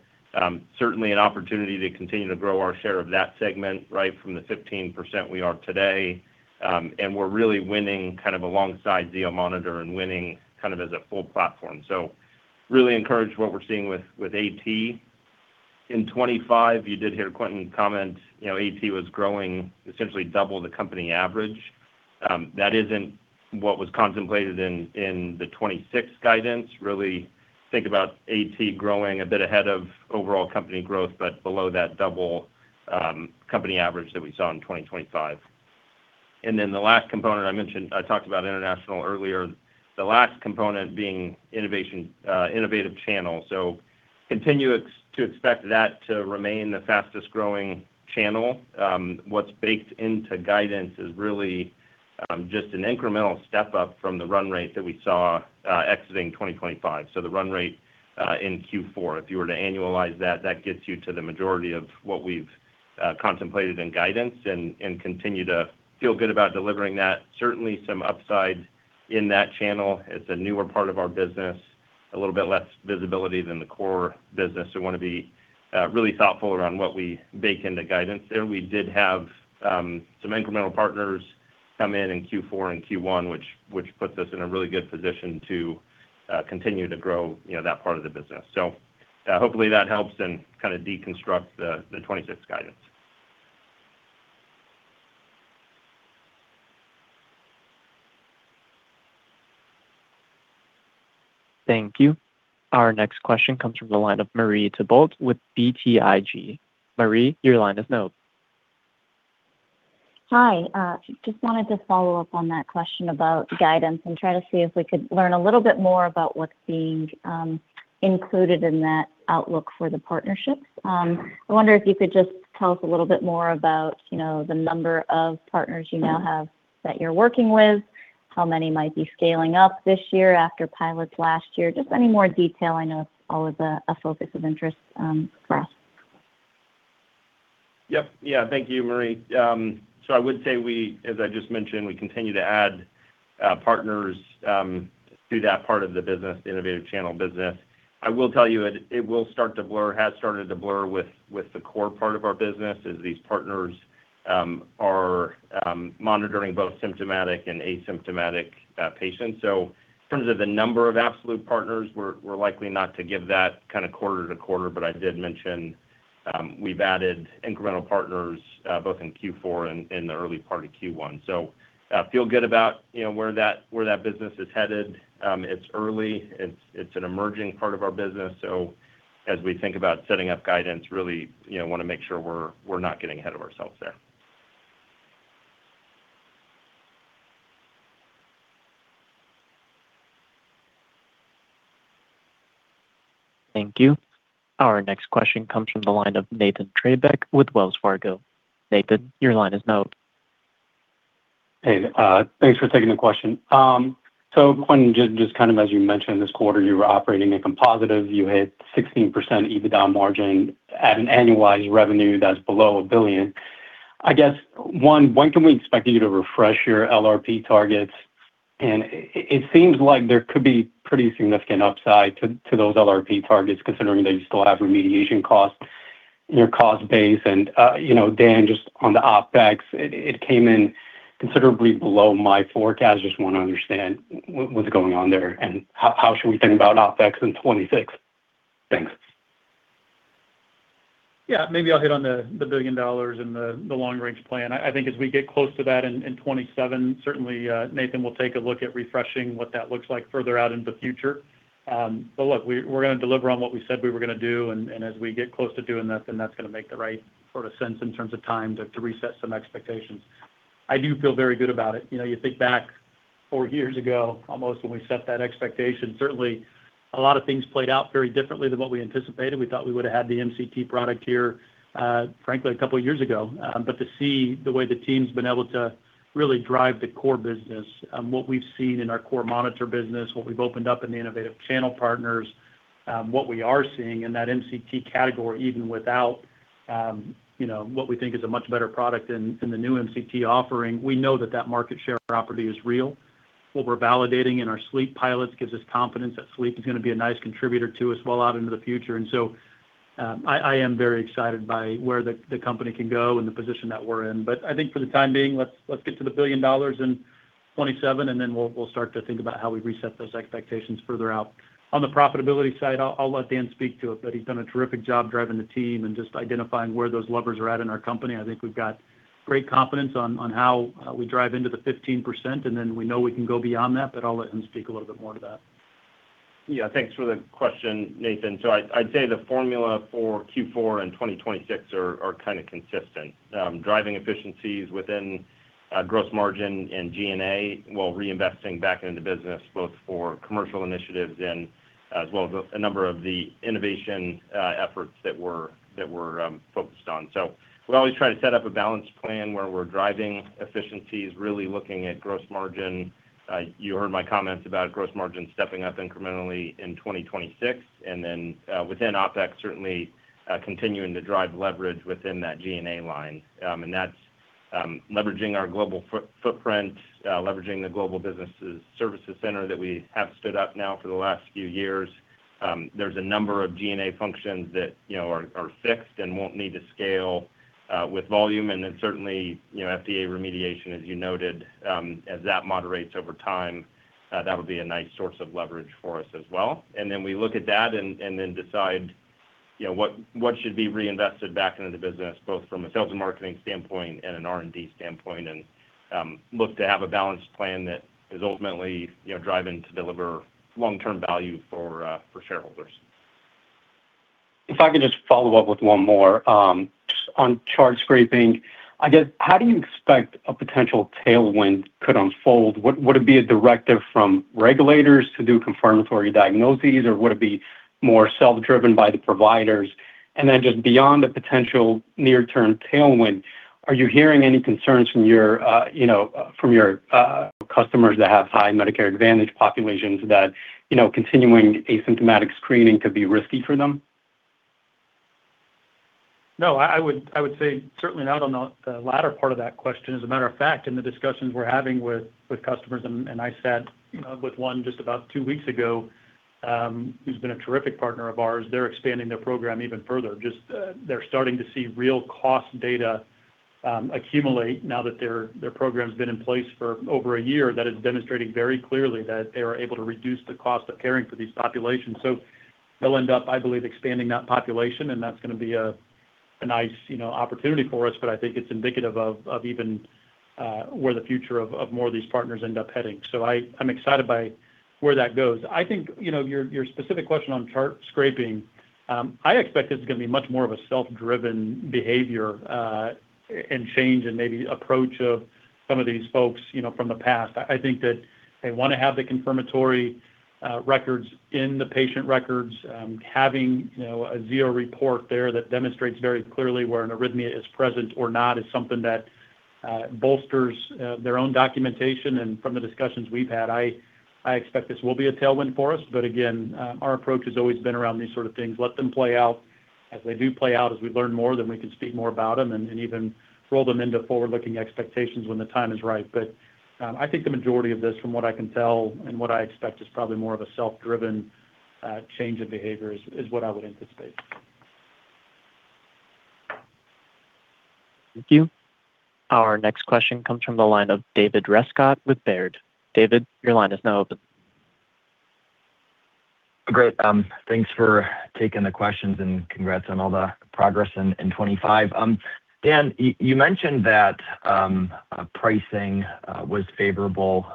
Certainly an opportunity to continue to grow our share of that segment, right from the 15% we are today. And we're really winning kind of alongside Zio monitor and winning kind of as a full platform. So really encouraged what we're seeing with AT. In 2025, you did hear Quentin comment, you know, AT was growing essentially double the company average. That isn't what was contemplated in the 2026 guidance. Really think about AT growing a bit ahead of overall company growth, but below that double company average that we saw in 2025. And then the last component I mentioned, I talked about international earlier, the last component being innovation, innovative channel. So continue to expect that to remain the fastest-growing channel. What's baked into guidance is really just an incremental step up from the run rate that we saw exiting 2025. So the run rate in Q4, if you were to annualize that, that gets you to the majority of what we've contemplated in guidance and continue to feel good about delivering that. Certainly, some upside in that channel. It's a newer part of our business, a little bit less visibility than the core business. So we wanna be really thoughtful around what we bake into guidance there. We did have some incremental partners come in in Q4 and Q1, which, which puts us in a really good position to continue to grow, you know, that part of the business. So, hopefully, that helps then kind of deconstruct the, the 2026 guidance. Thank you. Our next question comes from the line of Marie Thibault with BTIG. Marie, your line is open. Hi, just wanted to follow up on that question about guidance and try to see if we could learn a little bit more about what's being included in that outlook for the partnerships. I wonder if you could just tell us a little bit more about, you know, the number of partners you now have that you're working with, how many might be scaling up this year after pilots last year? Just any more detail. I know it's always a focus of interest for us. Yep. Yeah. Thank you, Marie. So I would say we—as I just mentioned, we continue to add partners through that part of the business, the innovative channel business. I will tell you, it will start to blur, has started to blur with the core part of our business as these partners are monitoring both symptomatic and asymptomatic patients. So in terms of the number of absolute partners, we're likely not to give that kind of quarter to quarter, but I did mention we've added incremental partners both in Q4 and the early part of Q1. So feel good about, you know, where that business is headed. It's early. It's an emerging part of our business, so as we think about setting up guidance, really, you know, wanna make sure we're not getting ahead of ourselves there. Thank you. Our next question comes from the line of Nathan Treybeck with Wells Fargo. Nathan, your line is open. Hey, thanks for taking the question. So one, just kind of as you mentioned, this quarter, you were operating a composite. You hit 16% EBITDA margin at an annualized revenue that's below $1 billion. I guess, one, when can we expect you to refresh your LRP targets? And it seems like there could be pretty significant upside to those LRP targets, considering that you still have remediation costs in your cost base. And, you know, Dan, just on the OpEx, it came in considerably below my forecast. I just want to understand what's going on there, and how should we think about OpEx in 2026? Thanks. Yeah, maybe I'll hit on the $1 billion and the long range plan. I think as we get close to that in 2027, certainly, Nathan, we'll take a look at refreshing what that looks like further out into the future. But look, we're gonna deliver on what we said we were gonna do, and as we get close to doing that, then that's gonna make the right sort of sense in terms of time to reset some expectations. I do feel very good about it. You know, you think back four years ago, almost, when we set that expectation, certainly a lot of things played out very differently than what we anticipated. We thought we would've had the MCT product here, frankly, a couple of years ago. But to see the way the team's been able to really drive the core business, what we've seen in our core monitor business, what we've opened up in the innovative channel partners, what we are seeing in that MCT category, even without, you know, what we think is a much better product in the new MCT offering, we know that that market share property is real. What we're validating in our sleep pilots gives us confidence that sleep is gonna be a nice contributor to us well out into the future. And so, I am very excited by where the company can go and the position that we're in. But I think for the time being, let's get to $1 billion in 2027, and then we'll start to think about how we reset those expectations further out. On the profitability side, I'll let Dan speak to it, but he's done a terrific job driving the team and just identifying where those levers are at in our company. I think we've got great confidence on how we drive into the 15%, and then we know we can go beyond that, but I'll let him speak a little bit more to that. Yeah, thanks for the question, Nathan. So I'd say the formula for Q4 and 2026 are kind of consistent. Driving efficiencies within gross margin and G&A, while reinvesting back into business, both for commercial initiatives and as well as a number of the innovation efforts that we're focused on. So we always try to set up a balanced plan where we're driving efficiencies, really looking at gross margin. You heard my comments about gross margin stepping up incrementally in 2026, and then within OpEx, certainly continuing to drive leverage within that G&A line. And that's leveraging our global footprint, leveraging the global business services center that we have stood up now for the last few years. There's a number of G&A functions that, you know, are fixed and won't need to scale with volume. And then certainly, you know, FDA remediation, as you noted, as that moderates over time, that would be a nice source of leverage for us as well. And then we look at that and then decide, you know, what should be reinvested back into the business, both from a sales and marketing standpoint and an R&D standpoint, and look to have a balanced plan that is ultimately, you know, driving to deliver long-term value for shareholders. If I could just follow up with one more, on chart scraping, I guess, how do you expect a potential tailwind could unfold? Would it be a directive from regulators to do confirmatory diagnoses, or would it be more self-driven by the providers? And then just beyond the potential near-term tailwind, are you hearing any concerns from your, you know, customers that have high Medicare Advantage populations that, you know, continuing asymptomatic screening could be risky for them? No, I would say certainly not on the latter part of that question. As a matter of fact, in the discussions we're having with customers, and I sat, you know, with one just about two weeks ago, who's been a terrific partner of ours. They're expanding their program even further. Just, they're starting to see real cost data accumulate now that their program's been in place for over a year, that is demonstrating very clearly that they are able to reduce the cost of caring for these populations. So they'll end up, I believe, expanding that population, and that's gonna be a nice, you know, opportunity for us, but I think it's indicative of even where the future of more of these partners end up heading. So I'm excited by where that goes. I think, you know, your specific question on chart scraping, I expect this is gonna be much more of a self-driven behavior and change and maybe approach of some of these folks, you know, from the past. I think that they wanna have the confirmatory records in the patient records. Having, you know, a Zio report there that demonstrates very clearly where an arrhythmia is present or not, is something that bolsters their own documentation. And from the discussions we've had, I expect this will be a tailwind for us. But again, our approach has always been around these sort of things. Let them play out. As they do play out, as we learn more, then we can speak more about them and even roll them into forward-looking expectations when the time is right. I think the majority of this, from what I can tell and what I expect, is probably more of a self-driven change in behaviors, is what I would anticipate. Thank you. Our next question comes from the line of David Rescott with Baird. David, your line is now open. Great. Thanks for taking the questions, and congrats on all the progress in 2025. Dan, you mentioned that pricing was favorable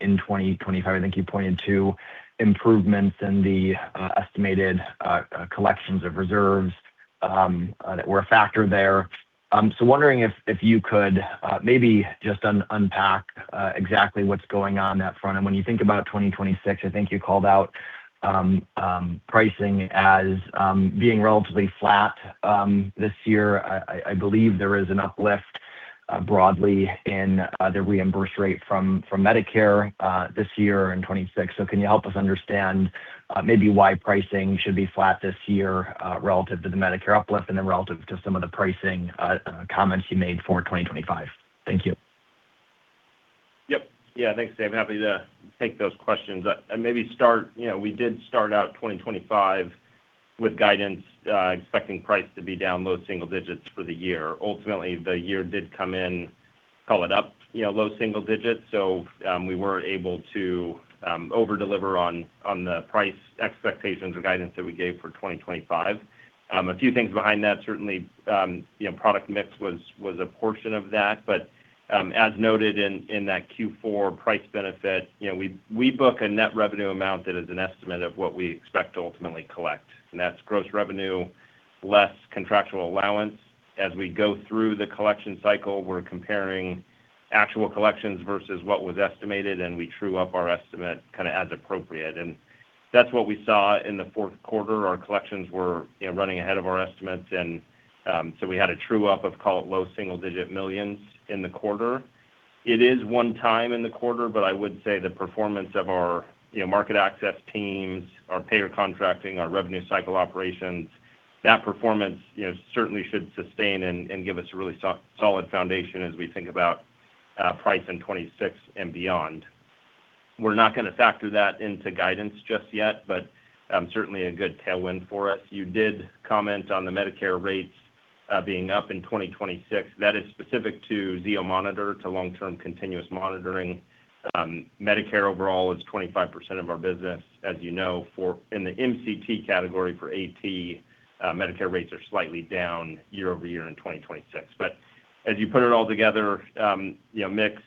in 2025. I think you pointed to improvements in the estimated collections of reserves that were a factor there. So wondering if you could maybe just unpack exactly what's going on on that front. And when you think about 2026, I think you called out pricing as being relatively flat this year. I believe there is an uplift broadly in the reimburse rate from Medicare this year in 2026. Can you help us understand, maybe why pricing should be flat this year, relative to the Medicare uplift, and then relative to some of the pricing comments you made for 2025? Thank you. Yep. Yeah, thanks, Dave. Happy to take those questions. And maybe start, you know, we did start out 2025 with guidance, expecting price to be down low single digits for the year. Ultimately, the year did come in, call it up, you know, low single digits, so, we were able to overdeliver on the price expectations or guidance that we gave for 2025. A few things behind that, certainly, you know, product mix was a portion of that. But, as noted in that Q4 price benefit, you know, we book a net revenue amount that is an estimate of what we expect to ultimately collect, and that's gross revenue less contractual allowance. As we go through the collection cycle, we're comparing actual collections versus what was estimated, and we true up our estimate kind of as appropriate. And that's what we saw in the fourth quarter. Our collections were, you know, running ahead of our estimates, and so we had a true up of, call it, low single-digit millions in the quarter. It is one time in the quarter, but I would say the performance of our, you know, market access teams, our payer contracting, our revenue cycle operations, that performance, you know, certainly should sustain and give us a really solid foundation as we think about price in 2026 and beyond. We're not gonna factor that into guidance just yet, but certainly a good tailwind for us. You did comment on the Medicare rates being up in 2026. That is specific to Zio monitor, to long-term continuous monitoring. Medicare overall is 25% of our business. As you know, in the MCT category for AT, Medicare rates are slightly down year-over-year in 2026. But as you put it all together, you know, mix,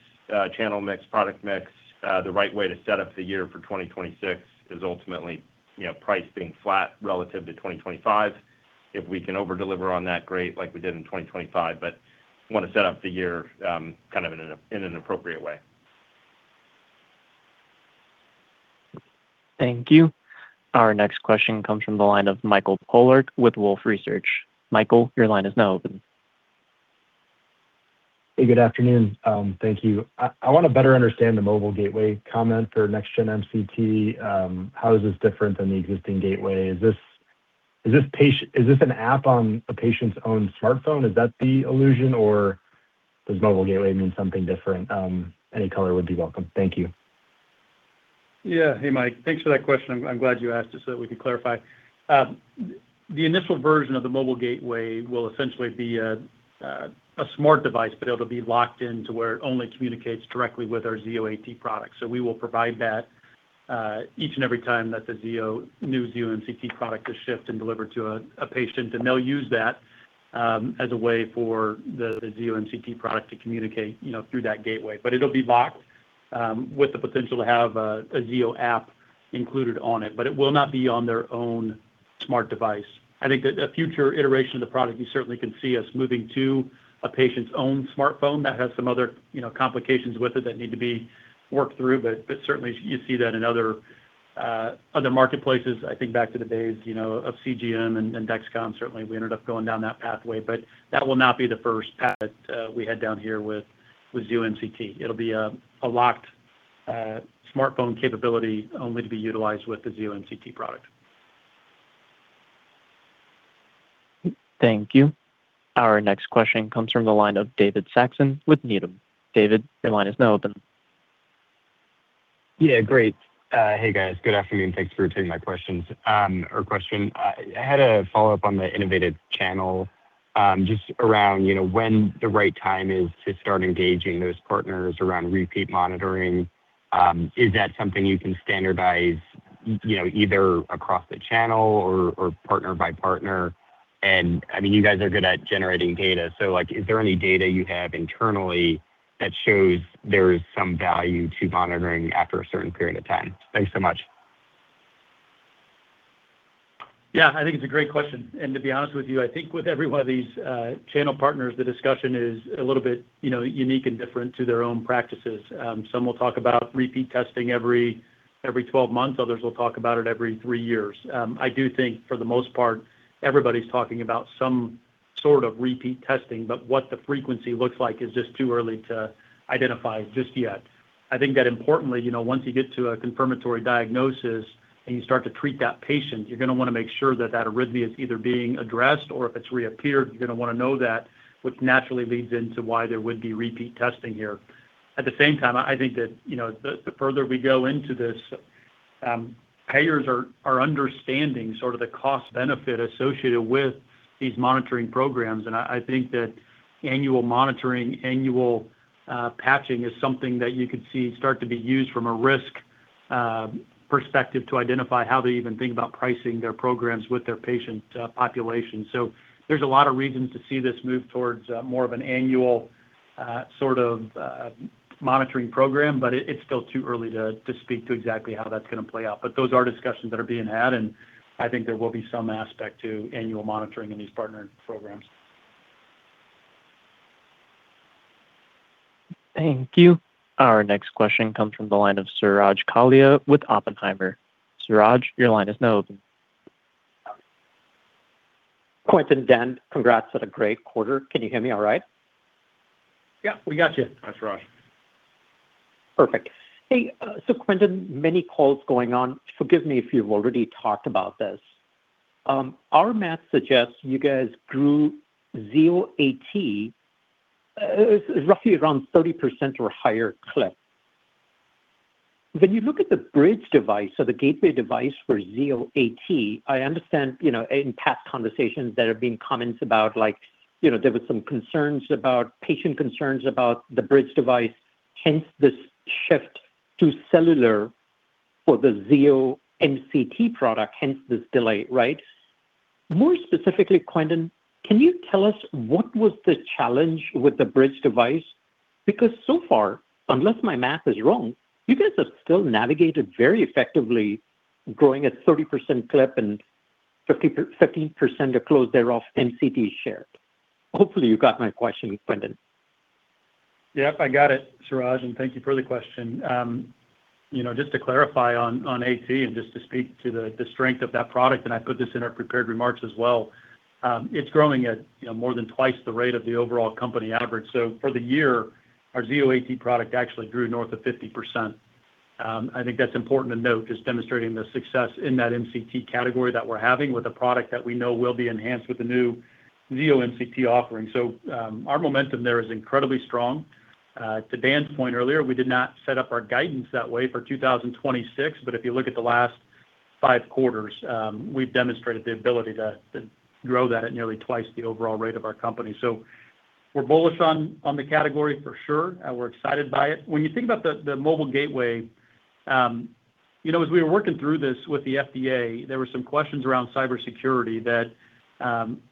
channel mix, product mix, the right way to set up the year for 2026 is ultimately, you know, price being flat relative to 2025. If we can overdeliver on that, great, like we did in 2025, but wanna set up the year, kind of in a, in an appropriate way. Thank you. Our next question comes from the line of Michael Polark with Wolfe Research. Michael, your line is now open. Hey, good afternoon. Thank you. I wanna better understand the mobile gateway comment for next gen MCT. How is this different than the existing gateway? Is this patient-- Is this an app on a patient's own smartphone? Is that the allusion, or does mobile gateway mean something different? Any color would be welcome. Thank you. Yeah. Hey, Mike. Thanks for that question. I'm glad you asked it so that we can clarify. The initial version of the mobile gateway will essentially be a smart device, but it'll be locked in to where it only communicates directly with our Zio AT product. So we will provide that each and every time that the Zio, new Zio MCT product is shipped and delivered to a patient, and they'll use that as a way for the Zio MCT product to communicate, you know, through that gateway. But it'll be locked with the potential to have a Zio app-... included on it, but it will not be on their own smart device. I think that a future iteration of the product, you certainly can see us moving to a patient's own smartphone. That has some other, you know, complications with it that need to be worked through, but, but certainly you see that in other, other marketplaces. I think back to the days, you know, of CGM and, and Dexcom, certainly we ended up going down that pathway, but that will not be the first path that we head down here with, with Zio MCT. It'll be a, a locked, smartphone capability only to be utilized with the Zio MCT product. Thank you. Our next question comes from the line of David Saxon with Needham. David, your line is now open. Yeah, great. Hey, guys. Good afternoon. Thanks for taking my questions or question. I had a follow-up on the innovative channel, just around, you know, when the right time is to start engaging those partners around repeat monitoring. Is that something you can standardize, you know, either across the channel or partner by partner? And, I mean, you guys are good at generating data, so, like, is there any data you have internally that shows there is some value to monitoring after a certain period of time? Thanks so much. Yeah, I think it's a great question. To be honest with you, I think with every one of these channel partners, the discussion is a little bit, you know, unique and different to their own practices. Some will talk about repeat testing every, every 12 months, others will talk about it every three years. I do think, for the most part, everybody's talking about some sort of repeat testing, but what the frequency looks like is just too early to identify just yet. I think that importantly, you know, once you get to a confirmatory diagnosis and you start to treat that patient, you're gonna wanna make sure that that arrhythmia is either being addressed, or if it's reappeared, you're gonna wanna know that, which naturally leads into why there would be repeat testing here. At the same time, I think that, you know, the further we go into this, payers are understanding sort of the cost benefit associated with these monitoring programs. And I think that annual monitoring, annual patching is something that you could see start to be used from a risk perspective to identify how they even think about pricing their programs with their patient population. So there's a lot of reasons to see this move towards more of an annual sort of monitoring program, but it's still too early to speak to exactly how that's gonna play out. But those are discussions that are being had, and I think there will be some aspect to annual monitoring in these partnered programs. Thank you. Our next question comes from the line of Suraj Kalia with Oppenheimer. Suraj, your line is now open. Quentin, Dan, congrats on a great quarter. Can you hear me all right? Yeah, we got you, Suraj. Perfect. Hey, so Quentin, many calls going on. Forgive me if you've already talked about this. Our math suggests you guys grew Zio AT roughly around 30% or higher clip. When you look at the bridge device or the gateway device for Zio AT, I understand, you know, in past conversations there have been comments about, like, you know, there were some concerns about patient concerns about the bridge device, hence this shift to cellular for the Zio MCT product, hence this delay, right? More specifically, Quentin, can you tell us what was the challenge with the bridge device? Because so far, unless my math is wrong, you guys have still navigated very effectively, growing at 30% clip and 15% to close their off MCT share. Hopefully, you got my question, Quentin. Yep, I got it, Suraj, and thank you for the question. You know, just to clarify on AT and just to speak to the strength of that product, and I put this in our prepared remarks as well, it's growing at, you know, more than twice the rate of the overall company average. So for the year, our Zio AT product actually grew north of 50%. I think that's important to note, just demonstrating the success in that MCT category that we're having with a product that we know will be enhanced with the new Zio MCT offering. So, our momentum there is incredibly strong. To Dan's point earlier, we did not set up our guidance that way for 2026, but if you look at the last five quarters, we've demonstrated the ability to grow that at nearly twice the overall rate of our company. So we're bullish on the category for sure, we're excited by it. When you think about the mobile gateway, you know, as we were working through this with the FDA, there were some questions around cybersecurity that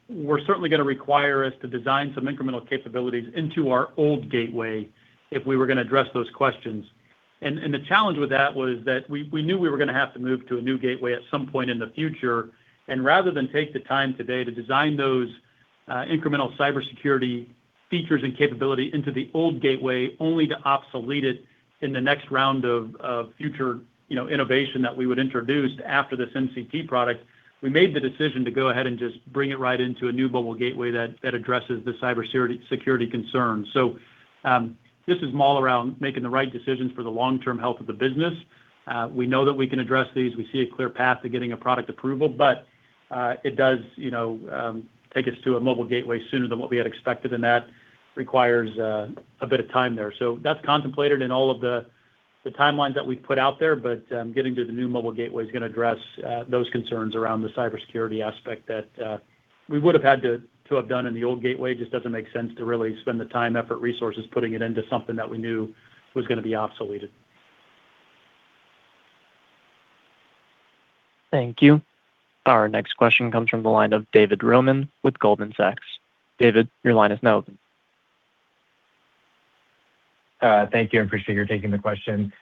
were certainly gonna require us to design some incremental capabilities into our old gateway if we were gonna address those questions. And the challenge with that was that we knew we were gonna have to move to a new gateway at some point in the future. And rather than take the time today to design those incremental cybersecurity features and capability into the old gateway, only to obsolete it in the next round of future, you know, innovation that we would introduce after this MCT product, we made the decision to go ahead and just bring it right into a new mobile gateway that addresses the cybersecurity concern. So, this is all around making the right decisions for the long-term health of the business. We know that we can address these. We see a clear path to getting a product approval, but it does, you know, take us to a mobile gateway sooner than what we had expected, and that requires a bit of time there. So that's contemplated in all of the timelines that we've put out there, but getting to the new mobile gateway is gonna address those concerns around the cybersecurity aspect that we would have had to have done in the old gateway. Just doesn't make sense to really spend the time, effort, resources, putting it into something that we knew was gonna be obsoleted. Thank you. Our next question comes from the line of David Roman with Goldman Sachs. David, your line is now open. Thank you. I appreciate you taking the question.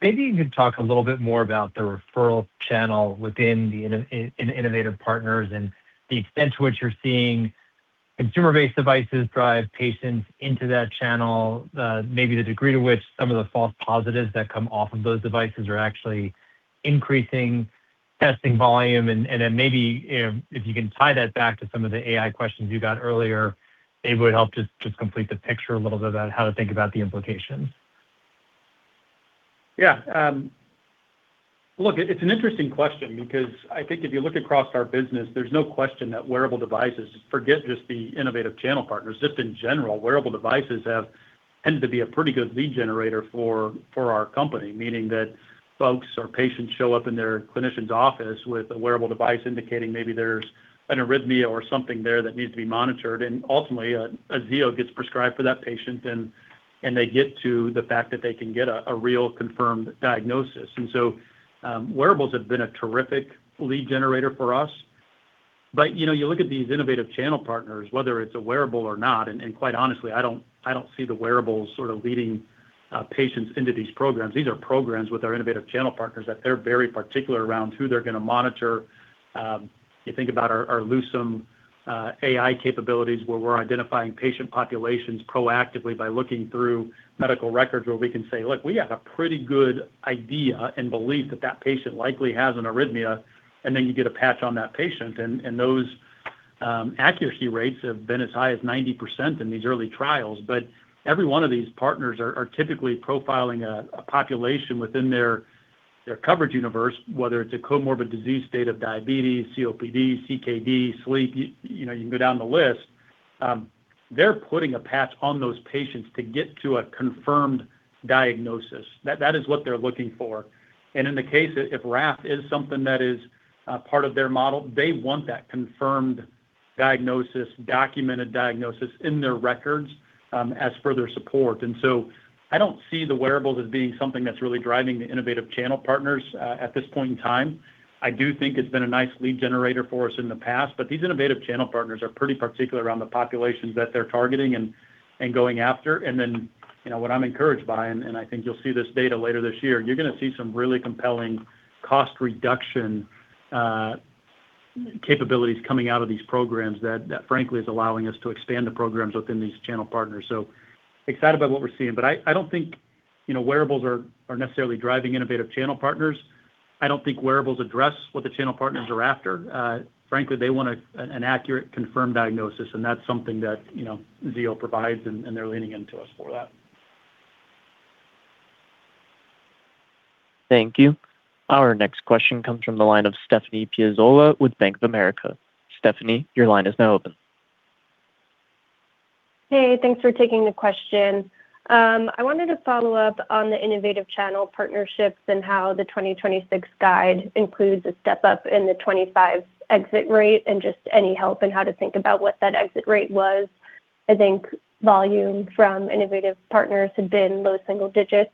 Maybe you could talk a little bit more about the referral channel within the innovative partners and the extent to which you're seeing consumer-based devices drive patients into that channel. Maybe the degree to which some of the false positives that come off of those devices are actually increasing testing volume. And then maybe if you can tie that back to some of the AI questions you got earlier, it would help just complete the picture a little bit about how to think about the implications. Yeah. Look, it, it's an interesting question because I think if you look across our business, there's no question that wearable devices, forget just the innovative channel partners, just in general, wearable devices have tended to be a pretty good lead generator for, for our company. Meaning that folks or patients show up in their clinician's office with a wearable device indicating maybe there's an arrhythmia or something there that needs to be monitored, and ultimately a, a Zio gets prescribed for that patient, and, and they get to the fact that they can get a, a real confirmed diagnosis. And so, wearables have been a terrific lead generator for us. But, you know, you look at these innovative channel partners, whether it's a wearable or not, and, and quite honestly, I don't, I don't see the wearables sort of leading, patients into these programs. These are programs with our innovative channel partners that they're very particular around who they're gonna monitor. You think about our Lucem AI capabilities, where we're identifying patient populations proactively by looking through medical records, where we can say, "Look, we have a pretty good idea and belief that that patient likely has an arrhythmia," and then you get a patch on that patient. And those accuracy rates have been as high as 90% in these early trials. But every one of these partners are typically profiling a population within their coverage universe, whether it's a comorbid disease state of diabetes, COPD, CKD, sleep, you know, you can go down the list. They're putting a patch on those patients to get to a confirmed diagnosis. That is what they're looking for. In the case if RAF is something that is part of their model, they want that confirmed diagnosis, documented diagnosis in their records, as further support. I don't see the wearables as being something that's really driving the innovative channel partners at this point in time. I do think it's been a nice lead generator for us in the past, but these innovative channel partners are pretty particular around the populations that they're targeting and going after. You know, what I'm encouraged by, and I think you'll see this data later this year, you're gonna see some really compelling cost reduction capabilities coming out of these programs that frankly is allowing us to expand the programs within these channel partners. So excited about what we're seeing, but I don't think, you know, wearables are necessarily driving innovative channel partners. I don't think wearables address what the channel partners are after. Frankly, they want an accurate, confirmed diagnosis, and that's something that, you know, Zio provides, and they're leaning into us for that. Thank you. Our next question comes from the line of Stephanie Piazzola with Bank of America. Stephanie, your line is now open. Hey, thanks for taking the question. I wanted to follow up on the innovative channel partnerships and how the 2026 guide includes a step-up in the 2025 exit rate and just any help in how to think about what that exit rate was. I think volume from innovative partners had been low single digits,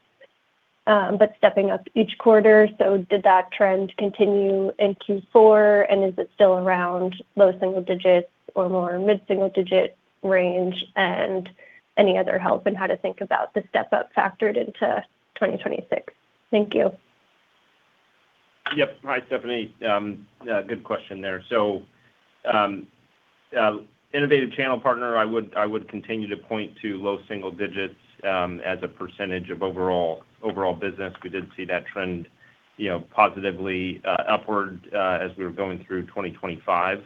but stepping up each quarter. So did that trend continue in Q4, and is it still around low single digits or more mid-single-digit range? And any other help in how to think about the step-up factored into 2026? Thank you. Yep. Hi, Stephanie. Yeah, good question there. So, innovative channel partner, I would continue to point to low single digits as a percentage of overall business. We did see that trend, you know, positively upward as we were going through 2025.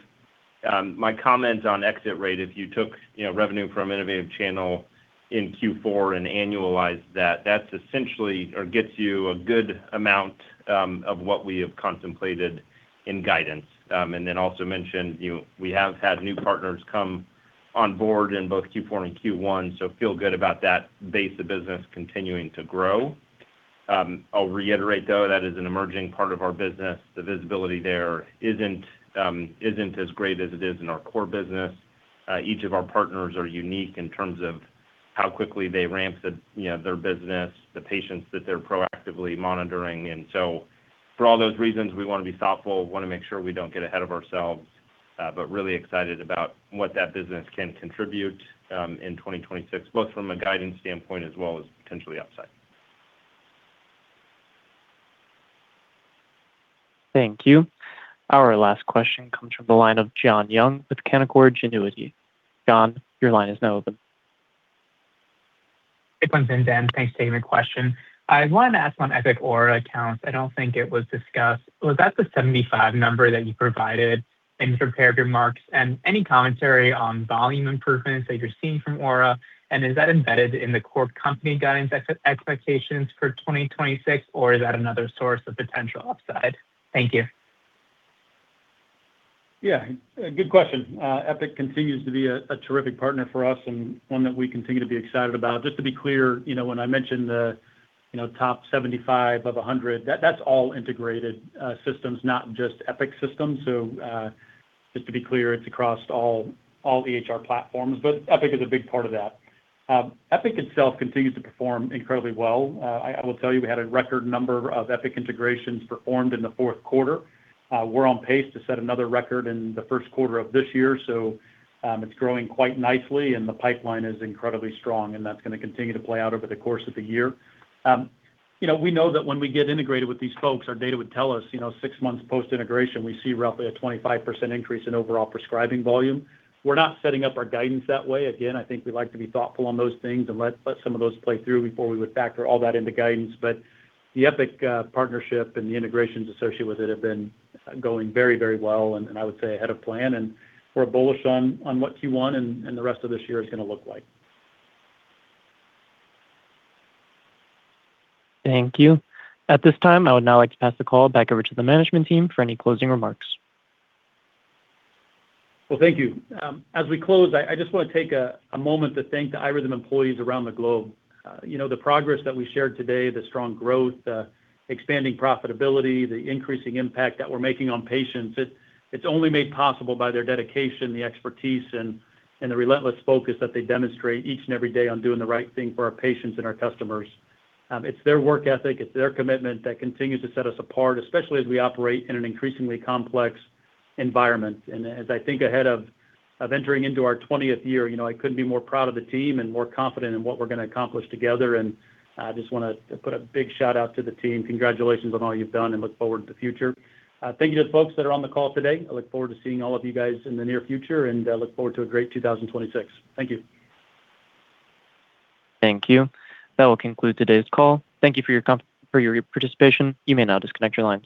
My comments on exit rate, if you took, you know, revenue from innovative channel in Q4 and annualized that, that's essentially or gets you a good amount of what we have contemplated in guidance. And then also mentioned, you know, we have had new partners come on board in both Q4 and Q1, so feel good about that base of business continuing to grow. I'll reiterate, though, that is an emerging part of our business. The visibility there isn't isn't as great as it is in our core business. Each of our partners are unique in terms of how quickly they ramp the, you know, their business, the patients that they're proactively monitoring. And so for all those reasons, we wanna be thoughtful, wanna make sure we don't get ahead of ourselves, but really excited about what that business can contribute in 2026, both from a guidance standpoint as well as potentially upside. Thank you. Our last question comes from the line of John Young with Canaccord Genuity. John, your line is now open. Hey, Dan. Thanks for taking the question. I wanted to ask on Epic Aura accounts. I don't think it was discussed. Was that the 75 number that you provided in your prepared remarks? And any commentary on volume improvements that you're seeing from Aura, and is that embedded in the core company guidance expectations for 2026, or is that another source of potential upside? Thank you. Yeah, good question. Epic continues to be a terrific partner for us and one that we continue to be excited about. Just to be clear, you know, when I mention the, you know, top 75 of 100, that's all integrated systems, not just Epic systems. So, just to be clear, it's across all EHR platforms, but Epic is a big part of that. Epic itself continues to perform incredibly well. I will tell you, we had a record number of Epic integrations performed in the fourth quarter. We're on pace to set another record in the first quarter of this year, so, it's growing quite nicely, and the pipeline is incredibly strong, and that's gonna continue to play out over the course of the year. You know, we know that when we get integrated with these folks, our data would tell us, you know, six months post-integration, we see roughly a 25% increase in overall prescribing volume. We're not setting up our guidance that way. Again, I think we like to be thoughtful on those things and let some of those play through before we would factor all that into guidance. But the Epic partnership and the integrations associated with it have been going very, very well, and I would say ahead of plan, and we're bullish on what Q1 and the rest of this year is gonna look like. Thank you. At this time, I would now like to pass the call back over to the management team for any closing remarks. Well, thank you. As we close, I just wanna take a moment to thank the iRhythm employees around the globe. You know, the progress that we shared today, the strong growth, the expanding profitability, the increasing impact that we're making on patients, it's only made possible by their dedication, the expertise, and the relentless focus that they demonstrate each and every day on doing the right thing for our patients and our customers. It's their work ethic, it's their commitment that continues to set us apart, especially as we operate in an increasingly complex environment. As I think ahead of entering into our twentieth year, you know, I couldn't be more proud of the team and more confident in what we're gonna accomplish together, and I just wanna to put a big shout-out to the team. Congratulations on all you've done and look forward to the future. Thank you to the folks that are on the call today. I look forward to seeing all of you guys in the near future, and look forward to a great 2026. Thank you. Thank you. That will conclude today's call. Thank you for your participation. You may now disconnect your lines.